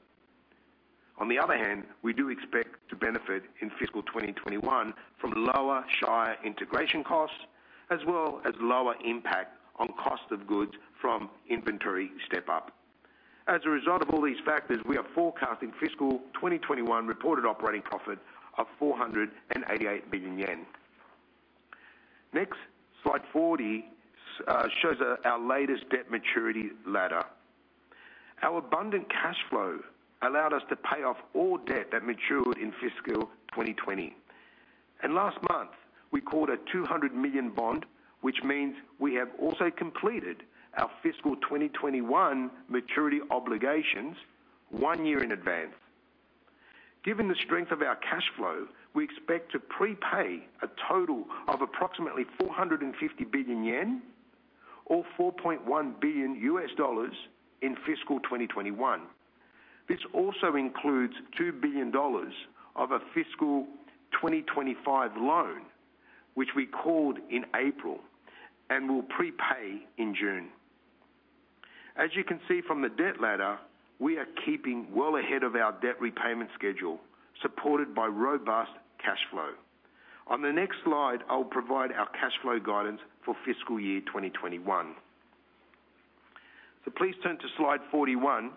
On the other hand, we do expect to benefit in fiscal 2021 from lower Shire integration costs as well as lower impact on cost of goods from inventory step-up. As a result of all these factors, we are forecasting fiscal 2021 reported operating profit of 488 billion yen. Next, slide 40 shows our latest debt maturity ladder. Our abundant cash flow allowed us to pay off all debt that matured in fiscal 2020. Last month, we called a 200 million bond, which means we have also completed our fiscal 2021 maturity obligations one year in advance. Given the strength of our cash flow, we expect to prepay a total of approximately 450 billion yen or $4.1 billion in fiscal 2021. This also includes $2 billion of a fiscal 2025 loan, which we called in April and will prepay in June. As you can see from the debt ladder, we are keeping well ahead of our debt repayment schedule, supported by robust cash flow. On the next slide, I'll provide our cash flow guidance for fiscal year 2021. Please turn to slide 41.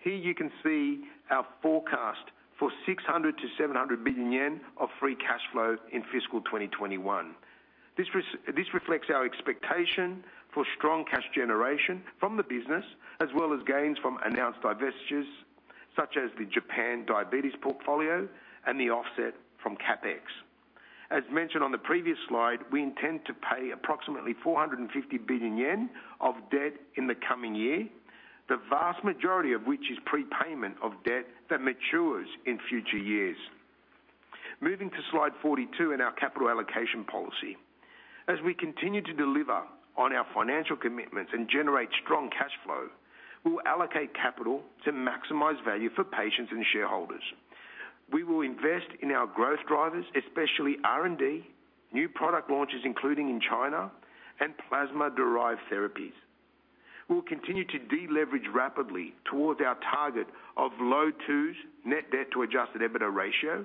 Here you can see our forecast for 600 billion-700 billion yen of free cash flow in fiscal 2021. This reflects our expectation for strong cash generation from the business, as well as gains from announced divestitures, such as the Japan diabetes portfolio and the offset from CapEx. As mentioned on the previous slide, we intend to pay approximately 450 billion yen of debt in the coming year, the vast majority of which is prepayment of debt that matures in future years. Moving to slide 42 in our capital allocation policy. As we continue to deliver on our financial commitments and generate strong cash flow, we'll allocate capital to maximize value for patients and shareholders. We will invest in our growth drivers, especially R&D, new product launches, including in China, and plasma-derived therapies. We'll continue to deleverage rapidly towards our target of low twos net debt to adjusted EBITDA ratio,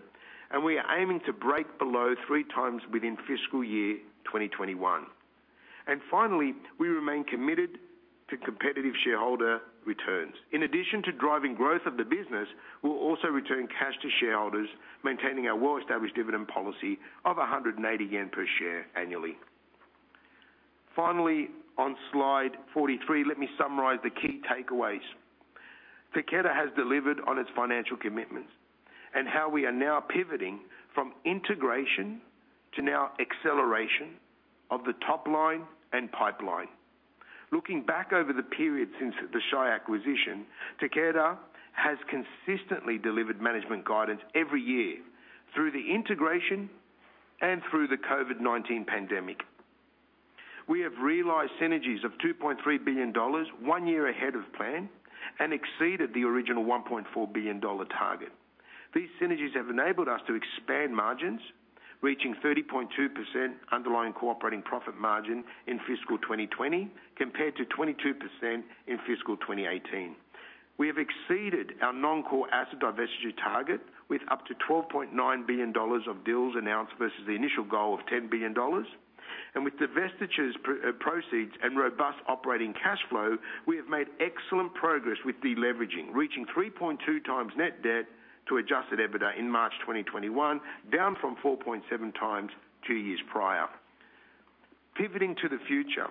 and we are aiming to break below 3x within fiscal year 2021. Finally, we remain committed to competitive shareholder returns. In addition to driving growth of the business, we'll also return cash to shareholders, maintaining our well-established dividend policy of 180 yen per share annually. Finally, on slide 43, let me summarize the key takeaways. Takeda has delivered on its financial commitments and how we are now pivoting from integration to now acceleration of the top line and pipeline. Looking back over the period since the Shire acquisition, Takeda has consistently delivered management guidance every year through the integration and through the COVID-19 pandemic. We have realized synergies of $2.3 billion, one year ahead of plan, and exceeded the original $1.4 billion target. These synergies have enabled us to expand margins, reaching 30.2% underlying core operating profit margin in fiscal 2020, compared to 22% in fiscal 2018. We have exceeded our non-core asset divestiture target with up to $12.9 billion of deals announced versus the initial goal of $10 billion. With divestitures proceeds and robust operating cash flow, we have made excellent progress with deleveraging, reaching 3.2x net debt to adjusted EBITDA in March 2021, down from 4.7x two years prior. Pivoting to the future,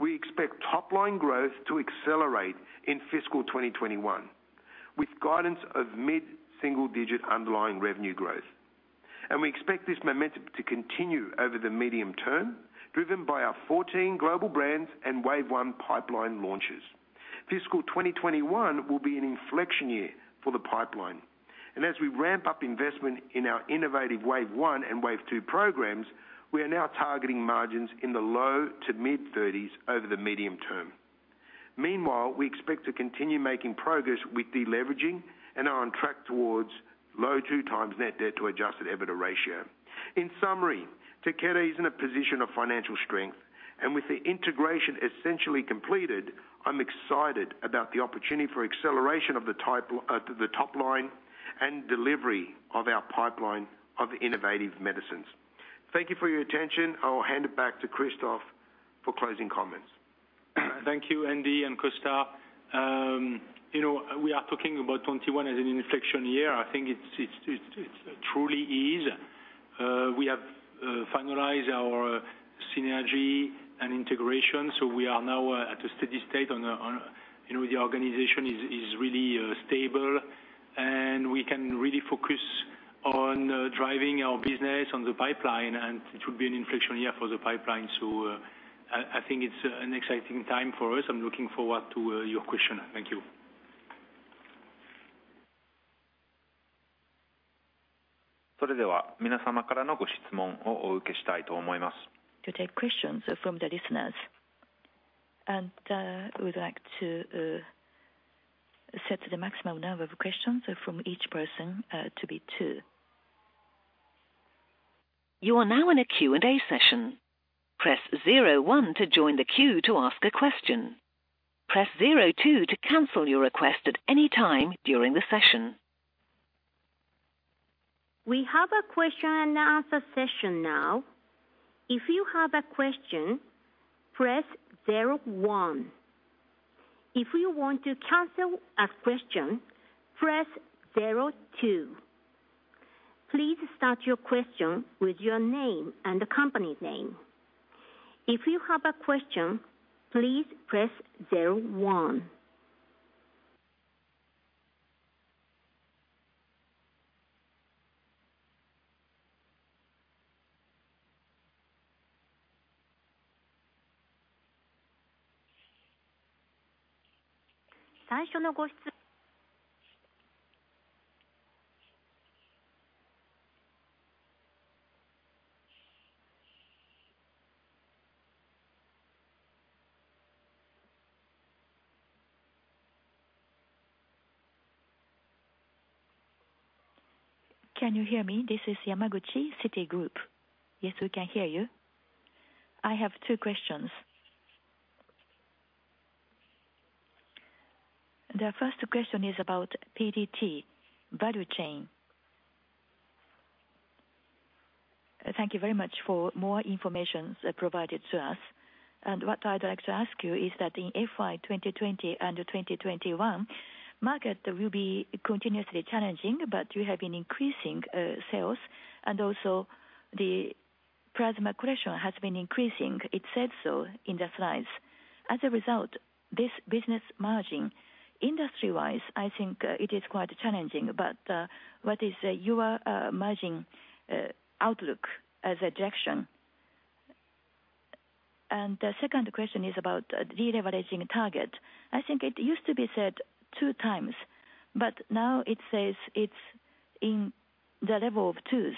we expect top-line growth to accelerate in fiscal 2021, with guidance of mid-single digit underlying revenue growth. We expect this momentum to continue over the medium term, driven by our 14 global brands and Wave 1 pipeline launches. Fiscal 2021 will be an inflection year for the pipeline. As we ramp up investment in our innovative Wave 1 and Wave 2 programs, we are now targeting margins in the low- to mid-30% over the medium term. Meanwhile, we expect to continue making progress with deleveraging and are on track towards low 2x net debt to adjusted EBITDA ratio. In summary, Takeda is in a position of financial strength, and with the integration essentially completed, I'm excited about the opportunity for acceleration of the top line and delivery of our pipeline of innovative medicines. Thank you for your attention. I will hand it back to Christophe for closing comments. Thank you, Andy and Costa. We are talking about 2021 as an inflection year. I think it truly is. We have finalized our synergy and integration, so we are now at a steady state, and the organization is really stable, and we can really focus on driving our business on the pipeline, and it will be an inflection year for the pipeline. I think it's an exciting time for us. I'm looking forward to your question, thank you. To take questions from the listeners. We'd like to set the maximum number of questions from each person to be two. You are now in a Q&A session. Press zero one to join the queue to ask a question. Press zero two to cancel your request at any time during the session. We have a question-and-answer session now. If you have a question, press zero one. If you want to cancel a question, press zero two. Please start your question with your name and the company's name. If you have a question, please press zero one. Can you hear me? This is Yamaguchi, Citigroup. Yes, we can hear you. I have two questions. The first question is about PDT value chain. Thank you very much for more information provided to us. What I'd like to ask you is that in FY 2020 and FY 2021, market will be continuously challenging, but you have been increasing sales and also the plasma collection has been increasing. It said so in the slides. As a result, this business margin, industry-wise, I think it is quite challenging. What is your margin outlook as a direction? The second question is about de-leveraging target. I think it used to be said two times, but now it says it's in the level of 2x.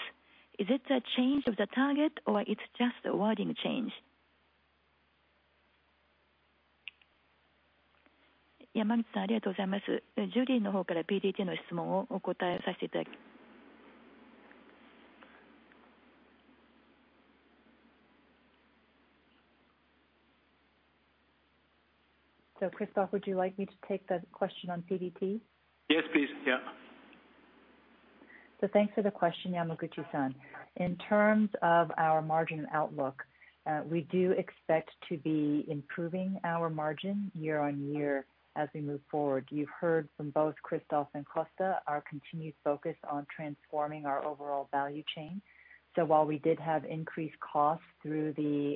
Is it a change of the target or it's just a wording change? Christophe, would you like me to take the question on PDT? Yes, please, yeah. Thanks for the question, Yamaguchi-san. In terms of our margin outlook, we do expect to be improving our margin year-on-year as we move forward. You've heard from both Christophe and Costa, our continued focus on transforming our overall value chain. While we did have increased costs through the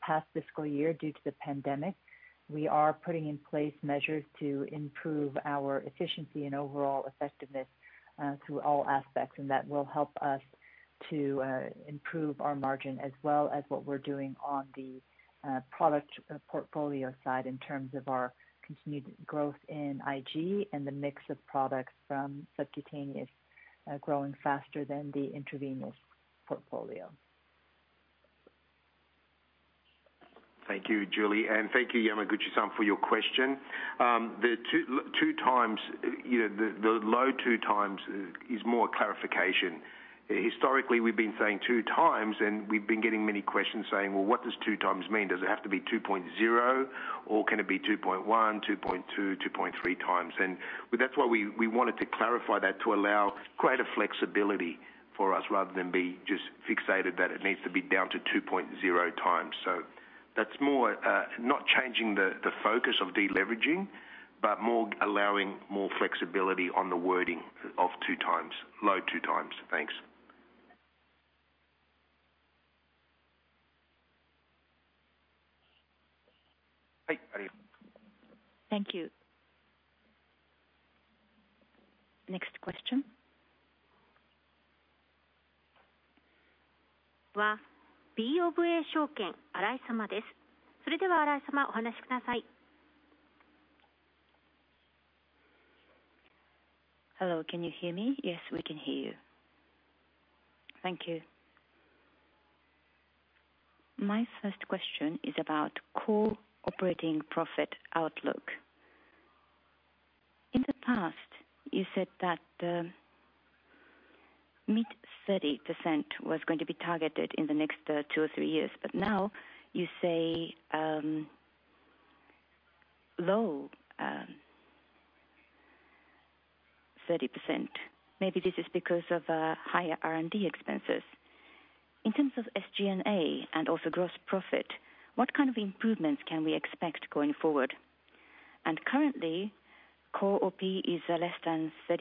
past fiscal year due to the pandemic, we are putting in place measures to improve our efficiency and overall effectiveness through all aspects. That will help us to improve our margin as well as what we're doing on the product portfolio side in terms of our continued growth in IG and the mix of products from subcutaneous growing faster than the intravenous portfolio. Thank you, Julie, and thank you Yamaguchi-san for your question. The low two times is more a clarification. Historically, we've been saying 2x and we've been getting many questions saying, "Well, what does two times mean? Does it have to be 2.0x or can it be 2.1x, 2.2x, 2.3x?" That's why we wanted to clarify that to allow greater flexibility for us rather than be just fixated that it needs to be down to 2.0x. So that's more, not changing the focus of de-leveraging, but allowing more flexibility on the wording of 2x, low 2x. Thanks. Thank you. Next question. Hello, can you hear me? Yes, we can hear you. Thank you, my first question is about core operating profit outlook. In the past, you said that mid 30% was going to be targeted in the next two or three years, but now you say low 30%. Maybe this is because of higher R&D expenses. In terms of SG&A and also gross profit, what kind of improvements can we expect going forward? Currently core OP is less than 30%,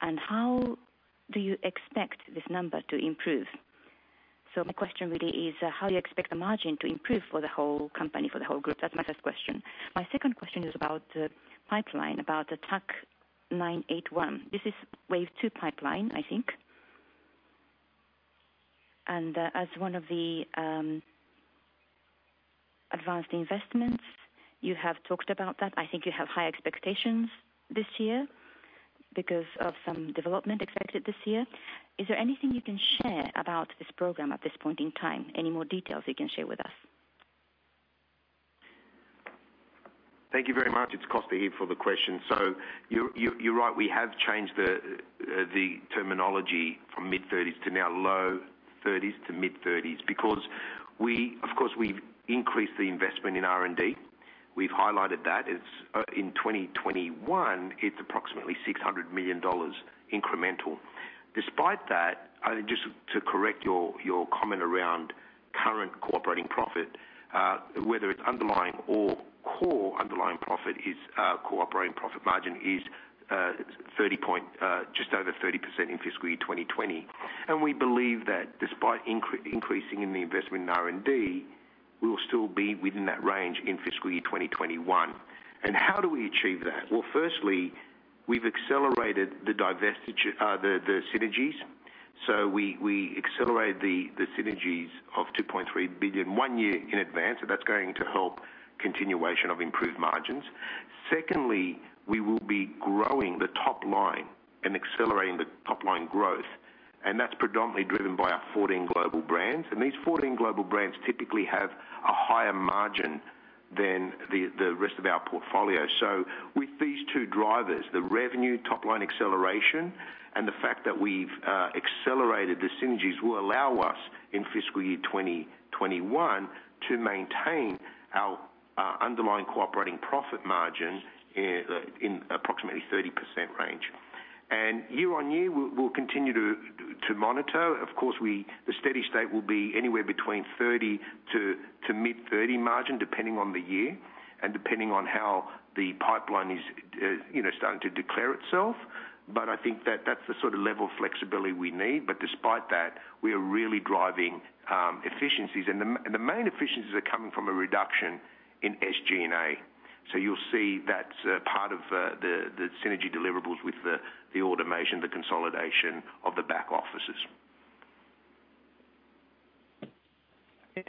and how do you expect this number to improve? My question really is how you expect the margin to improve for the whole company, for the whole group. That is my first question. My second question is about the pipeline, about TAK-981. This is Wave 2 pipeline, I think. As one of the advanced investments, you have talked about that. I think you have high expectations this year because of some development expected this year. Is there anything you can share about this program at this point in time? Any more details you can share with us? Thank you very much. It's Costa here for the question. You're right, we have changed the terminology from mid-30% to now low 30% to mid-30% because of course, we've increased the investment in R&D. We've highlighted that in 2021, it's approximately $600 million incremental. Despite that, just to correct your comment around core operating profit, whether it's underlying or core underlying profit is core operating profit margin is just over 30% in fiscal year 2020. We believe that despite increasing in the investment in R&D, we'll still be within that range in fiscal year 2021. How do we achieve that? Well, firstly, we've accelerated the synergies. We accelerated the synergies of $2.3 billion one year in advance, and that's going to help continuation of improved margins. Secondly, we will be growing the top line and accelerating the top-line growth, and that's predominantly driven by our 14 global brands. These 14 global brands typically have a higher margin than the rest of our portfolio. With these two drivers, the revenue top-line acceleration and the fact that we've accelerated the synergies will allow us in fiscal year 2021 to maintain our underlying core operating profit margin in approximately 30% range. Year-on-year, we'll continue to monitor. Of course, the steady state will be anywhere between 30% to mid-30% margin, depending on the year and depending on how the pipeline is starting to declare itself. I think that's the sort of level of flexibility we need. Despite that, we are really driving efficiencies, and the main efficiencies are coming from a reduction in SG&A. You'll see that's part of the synergy deliverables with the automation, the consolidation of the back offices.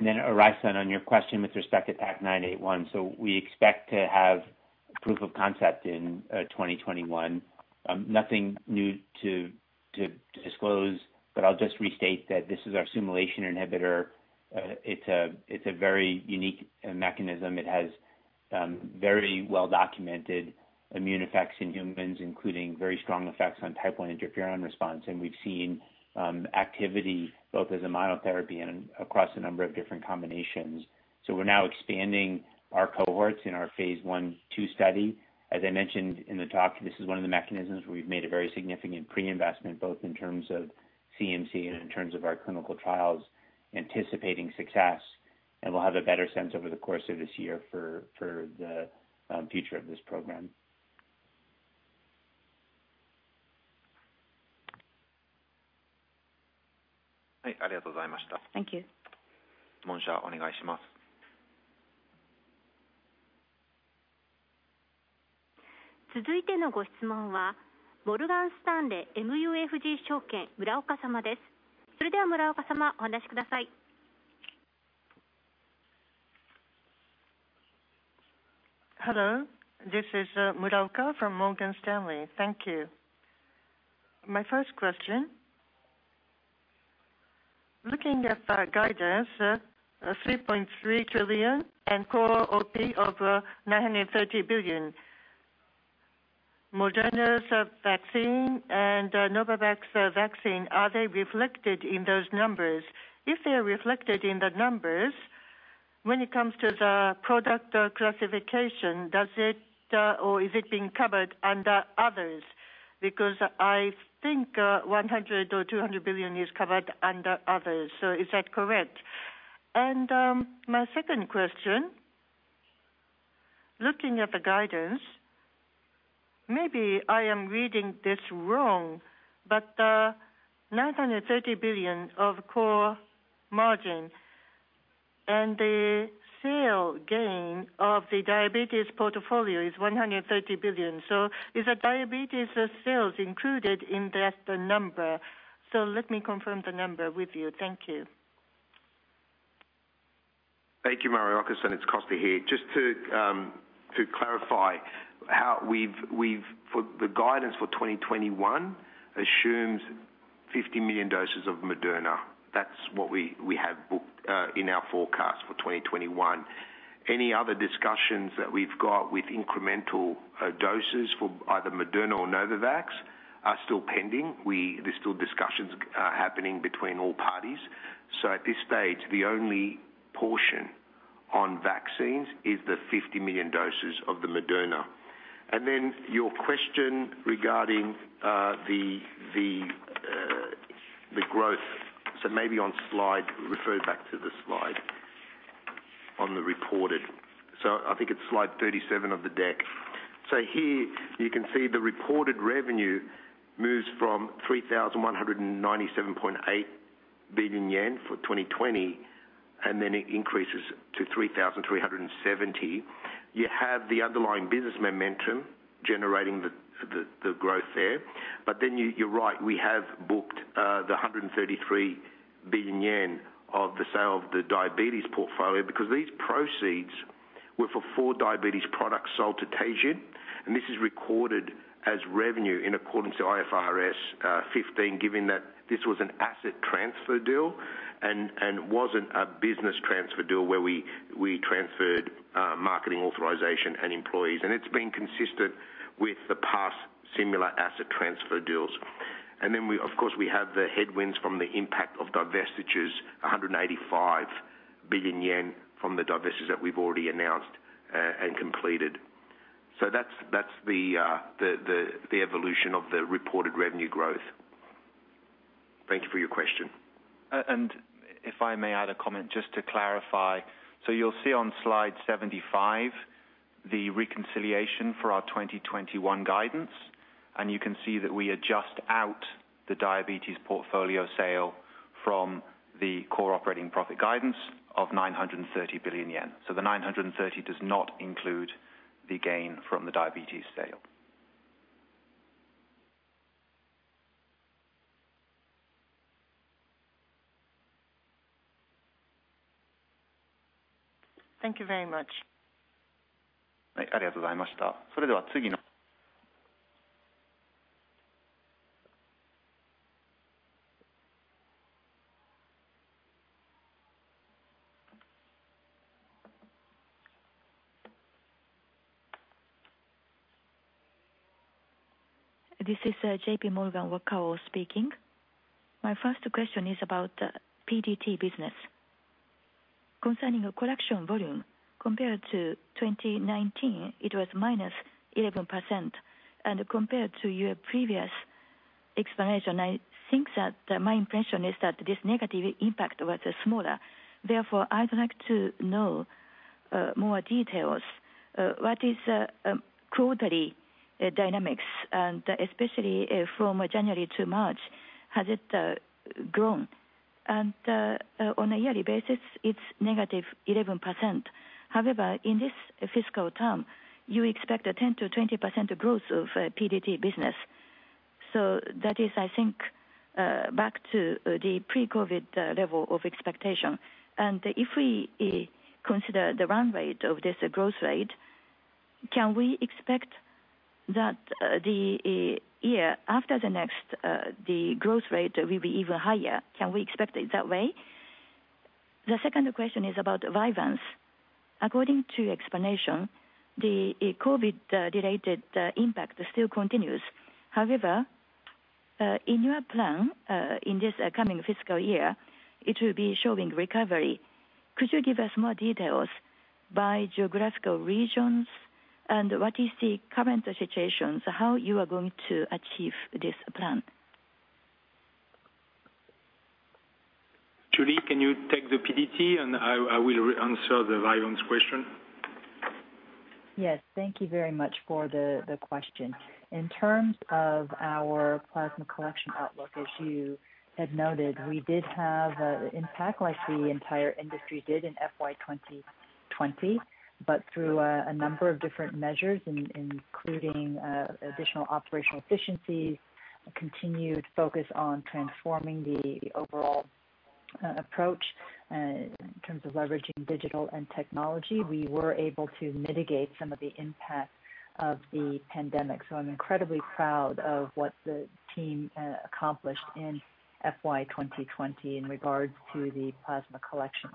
Orasan, on your question with respect to TAK-981. We expect to have proof of concept in 2021. Nothing new to disclose, but I'll just restate that this is our SUMO inhibitor. It's a very unique mechanism. It has very well-documented immune effects in humans, including very strong effects on type I interferon response. We've seen activity both as a monotherapy and across a number of different combinations. We're now expanding our cohorts in our phase I/II study. As I mentioned in the talk, this is one of the mechanisms where we've made a very significant pre-investment, both in terms of CMC and in terms of our clinical trials anticipating success. We'll have a better sense over the course of this year for the future of this program. Thank you. Hello, this is Muraoka from Morgan Stanley. Thank you. My first question, looking at the guidance, 3.3 trillion and core OP of 930 billion. Moderna's vaccine and Novavax vaccine, are they reflected in those numbers? If they are reflected in the numbers, when it comes to the product classification, is it being covered under others? Because I think 100 billion or 200 billion is covered under others. Is that correct? My second question, looking at the guidance, maybe I am reading this wrong, but 930 billion of core margins and the sale gain of the diabetes portfolio is 130 billion. Is the diabetes sales included in that number? Let me confirm the number with you, thank you. Thank you, Muraoka. It's Costa here. To clarify, the guidance for 2021 assumes 50 million doses of Moderna. That's what we have booked in our forecast for 2021. Any other discussions that we've got with incremental doses for either Moderna or Novavax are still pending. There's still discussions happening between all parties. At this stage, the only portion on vaccines is the 50 million doses of the Moderna. Your question regarding the growth. Maybe refer back to the slide on the reported. I think it's slide 37 of the deck. Here you can see the reported revenue moves from 3,197.8 billion yen for 2020, it increases to 3,370 billion. You have the underlying business momentum generating the growth there. You're right, we have booked the 133 billion yen of the sale of the diabetes portfolio because these proceeds were for four diabetes products sold to Takeda, and this is recorded as revenue in accordance to IFRS 15, given that this was an asset transfer deal and wasn't a business transfer deal where we transferred marketing authorization and employees, and it's been consistent with the past similar asset transfer deals. Of course, we have the headwinds from the impact of divestitures, 185 billion yen from the divestitures that we've already announced and completed. That's the evolution of the reported revenue growth. Thank you for your question. If I may add a comment just to clarify. You'll see on slide 75 the reconciliation for our 2021 guidance, and you can see that we adjust out the diabetes portfolio sale from the core operating profit guidance of 930 billion yen. The 930 billion does not include the gain from the diabetes sale. Thank you very much. This is J.P. Morgan speaking. My first question is about the PDT business. Concerning collection volume, compared to 2019, it was -11%, and compared to your previous explanation, I think that my impression is that this negative impact was smaller. Therefore, I'd like to know more details. What is quarterly dynamics, and especially from January to March, has it grown? On a yearly basis, it's -11%. However, in this fiscal term, you expect a 10%-20% growth of PDT business. That is, I think, back to the pre-COVID level of expectation. If we consider the run rate of this growth rate, can we expect that the year after the next, the growth rate will be even higher? Can we expect it that way? The second question is about VYVANSE. According to explanation, the COVID-related impact still continues. In your plan, in this coming fiscal year, it will be showing recovery. Could you give us more details by geographical regions and what is the current situation, so how you are going to achieve this plan? Julie, can you take the PDT and I will answer the VYVANSE question? Yes, thank you very much for the question. In terms of our plasma collection outlook, as you had noted, we did have an impact like the entire industry did in FY 2020. Through a number of different measures, including additional operational efficiencies, a continued focus on transforming the overall approach in terms of leveraging digital and technology, we were able to mitigate some of the impact of the pandemic. I'm incredibly proud of what the team accomplished in FY 2020 in regards to the plasma collection.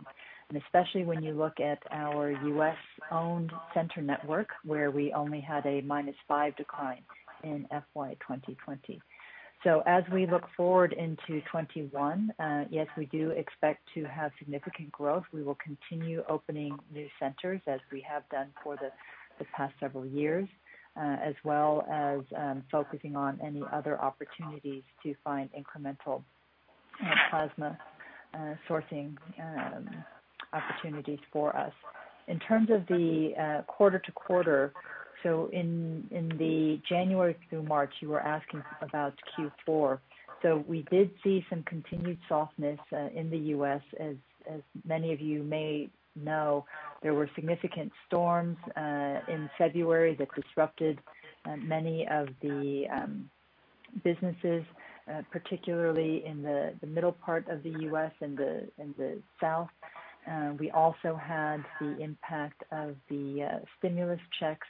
Especially when you look at our U.S.-owned center network, where we only had a -5% decline in FY 2020. As we look forward into 2021, yes, we do expect to have significant growth. We will continue opening new centers as we have done for the past several years, as well as focusing on any other opportunities to find incremental plasma sourcing opportunities for us. In terms of the quarter to quarter, in the January through March, you were asking about Q4. We did see some continued softness in the U.S. As many of you may know, there were significant storms in February that disrupted many of the businesses, particularly in the middle part of the U.S. and the South. We also had the impact of the stimulus checks,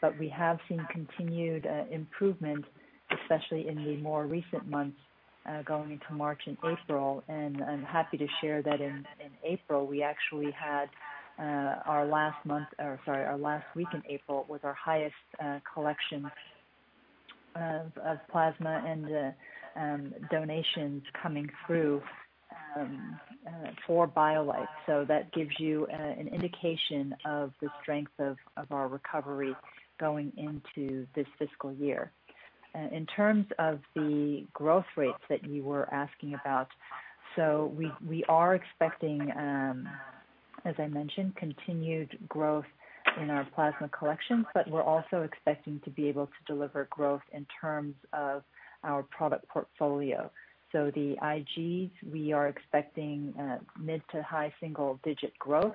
but we have seen continued improvement, especially in the more recent months, going into March and April. I'm happy to share that in April, we actually had our last week in April was our highest collection of plasma and donations coming through for BioLife. That gives you an indication of the strength of our recovery going into this fiscal year. In terms of the growth rates that you were asking about, we are expecting, as I mentioned, continued growth in our plasma collections, but we're also expecting to be able to deliver growth in terms of our product portfolio. The IGs, we are expecting mid to high single-digit growth.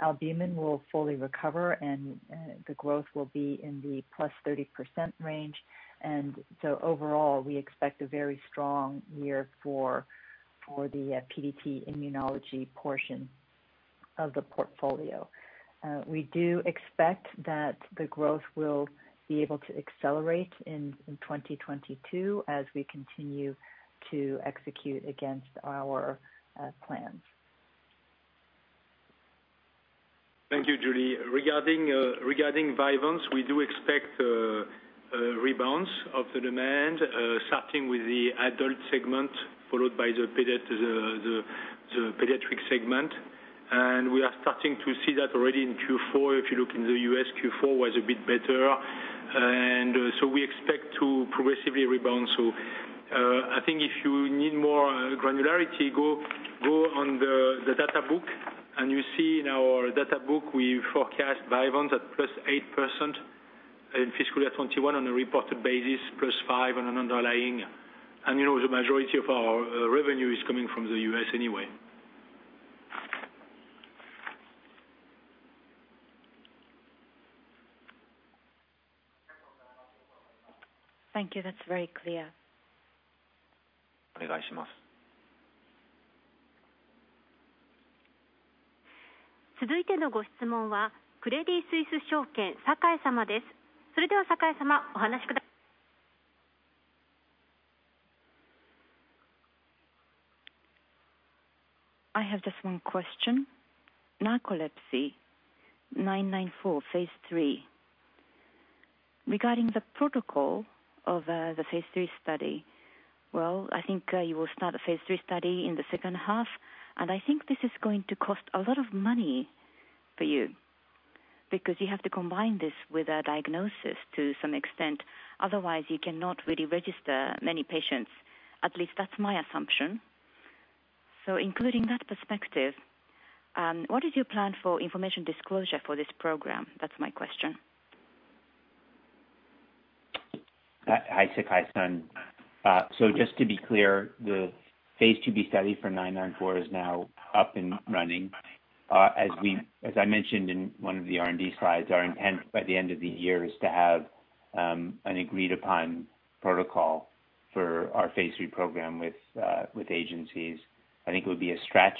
Albumin will fully recover, and the growth will be in the +30% range. Overall, we expect a very strong year for the PDT immunology portion of the portfolio. We do expect that the growth will be able to accelerate in 2022 as we continue to execute against our plans. Thank you, Julie. Regarding VYVANSE, we do expect a rebalance of the demand, starting with the adult segment, followed by the pediatric segment. We are starting to see that already in Q4. If you look in the U.S., Q4 was a bit better. We expect to progressively rebound. I think if you need more granularity, go on the data book and you see in our data book, we forecast VYVANSE at +8% in fiscal year 2021 on a reported basis, +5% on an underlying. The majority of our revenue is coming from the U.S. anyway. Thank you, that's very clear. I have just one question. narcolepsy TAK-994, phase III. Regarding the protocol of the phase III study, well, I think you will start a phase III study in the second half, and I think this is going to cost a lot of money for you because you have to combine this with a diagnosis to some extent. Otherwise, you cannot really register many patients, at least that's my assumption. Including that perspective, what is your plan for information disclosure for this program? That's my question. Hi, Sakai-san. Just to be clear, the phase II-B study for TAK-994 is now up and running. As I mentioned in one of the R&D slides, our intent by the end of the year is to have an agreed upon protocol for our phase III program with agencies. I think it would be a stretch,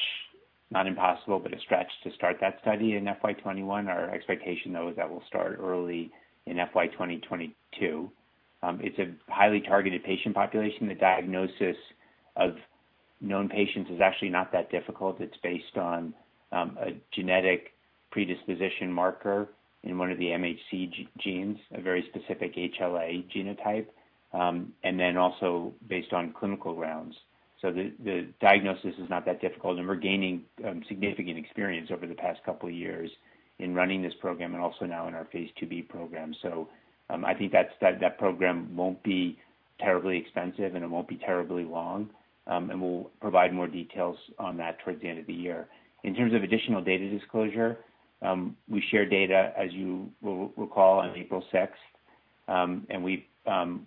not impossible, but a stretch to start that study in FY 2021. Our expectation, though, is that we'll start early in FY 2022. It's a highly targeted patient population. The diagnosis of known patients is actually not that difficult. It's based on a genetic predisposition marker in one of the MHC genes, a very specific HLA genotype, and then also based on clinical rounds. The diagnosis is not that difficult, and we're gaining significant experience over the past couple of years in running this program and also now in our phase II-B program. I think that program won't be terribly expensive and it won't be terribly long. We'll provide more details on that towards the end of the year. In terms of additional data disclosure, we share data, as you will recall, on April 6th.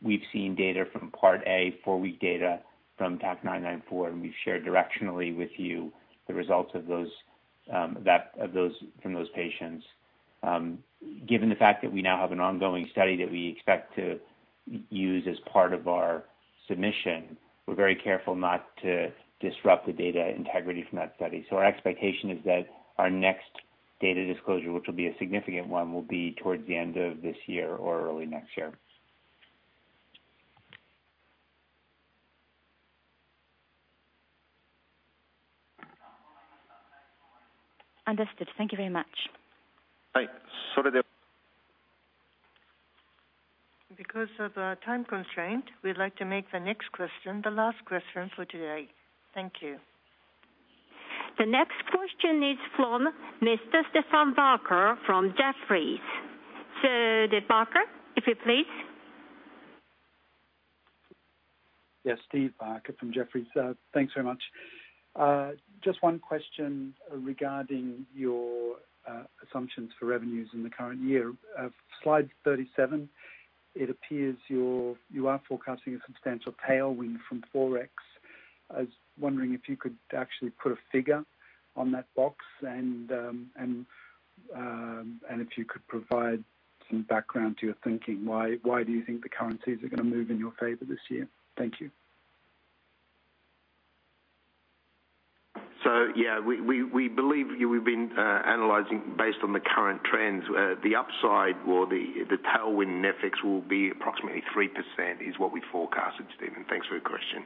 We've seen data from part A, four-week data from TAK-994, and we've shared directionally with you the results from those patients. Given the fact that we now have an ongoing study that we expect to use as part of our submission, we're very careful not to disrupt the data integrity from that study. Our expectation is that our next data disclosure, which will be a significant one, will be towards the end of this year or early next year. Understood, thank you very much. Because of a time constraint, we'd like to make the next question the last question for today, thank you. The next question is from Mr. Stephen Barker from Jefferies. Barker, if you please. Yes, Steve Barker from Jefferies. Thanks very much. Just one question regarding your assumptions for revenues in the current year. Slide 37, it appears you are forecasting a substantial tailwind from Forex. I was wondering if you could actually put a figure on that box and if you could provide some background to your thinking. Why do you think the currencies are going to move in your favor this year? Thank you. We believe we've been analyzing based on the current trends, the upside or the tailwind in FX will be approximately 3%, is what we forecasted, Steven. Thanks for your question.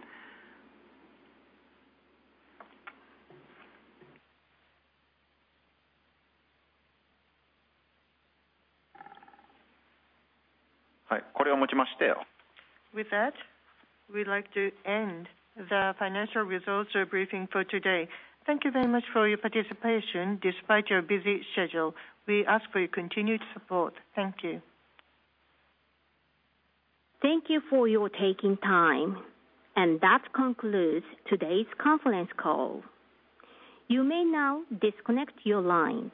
We'd like to end the financial results briefing for today. Thank you very much for your participation despite your busy schedule. We ask for your continued support, thank you. Thank you for your taking time. That concludes today's conference call. You may now disconnect your lines.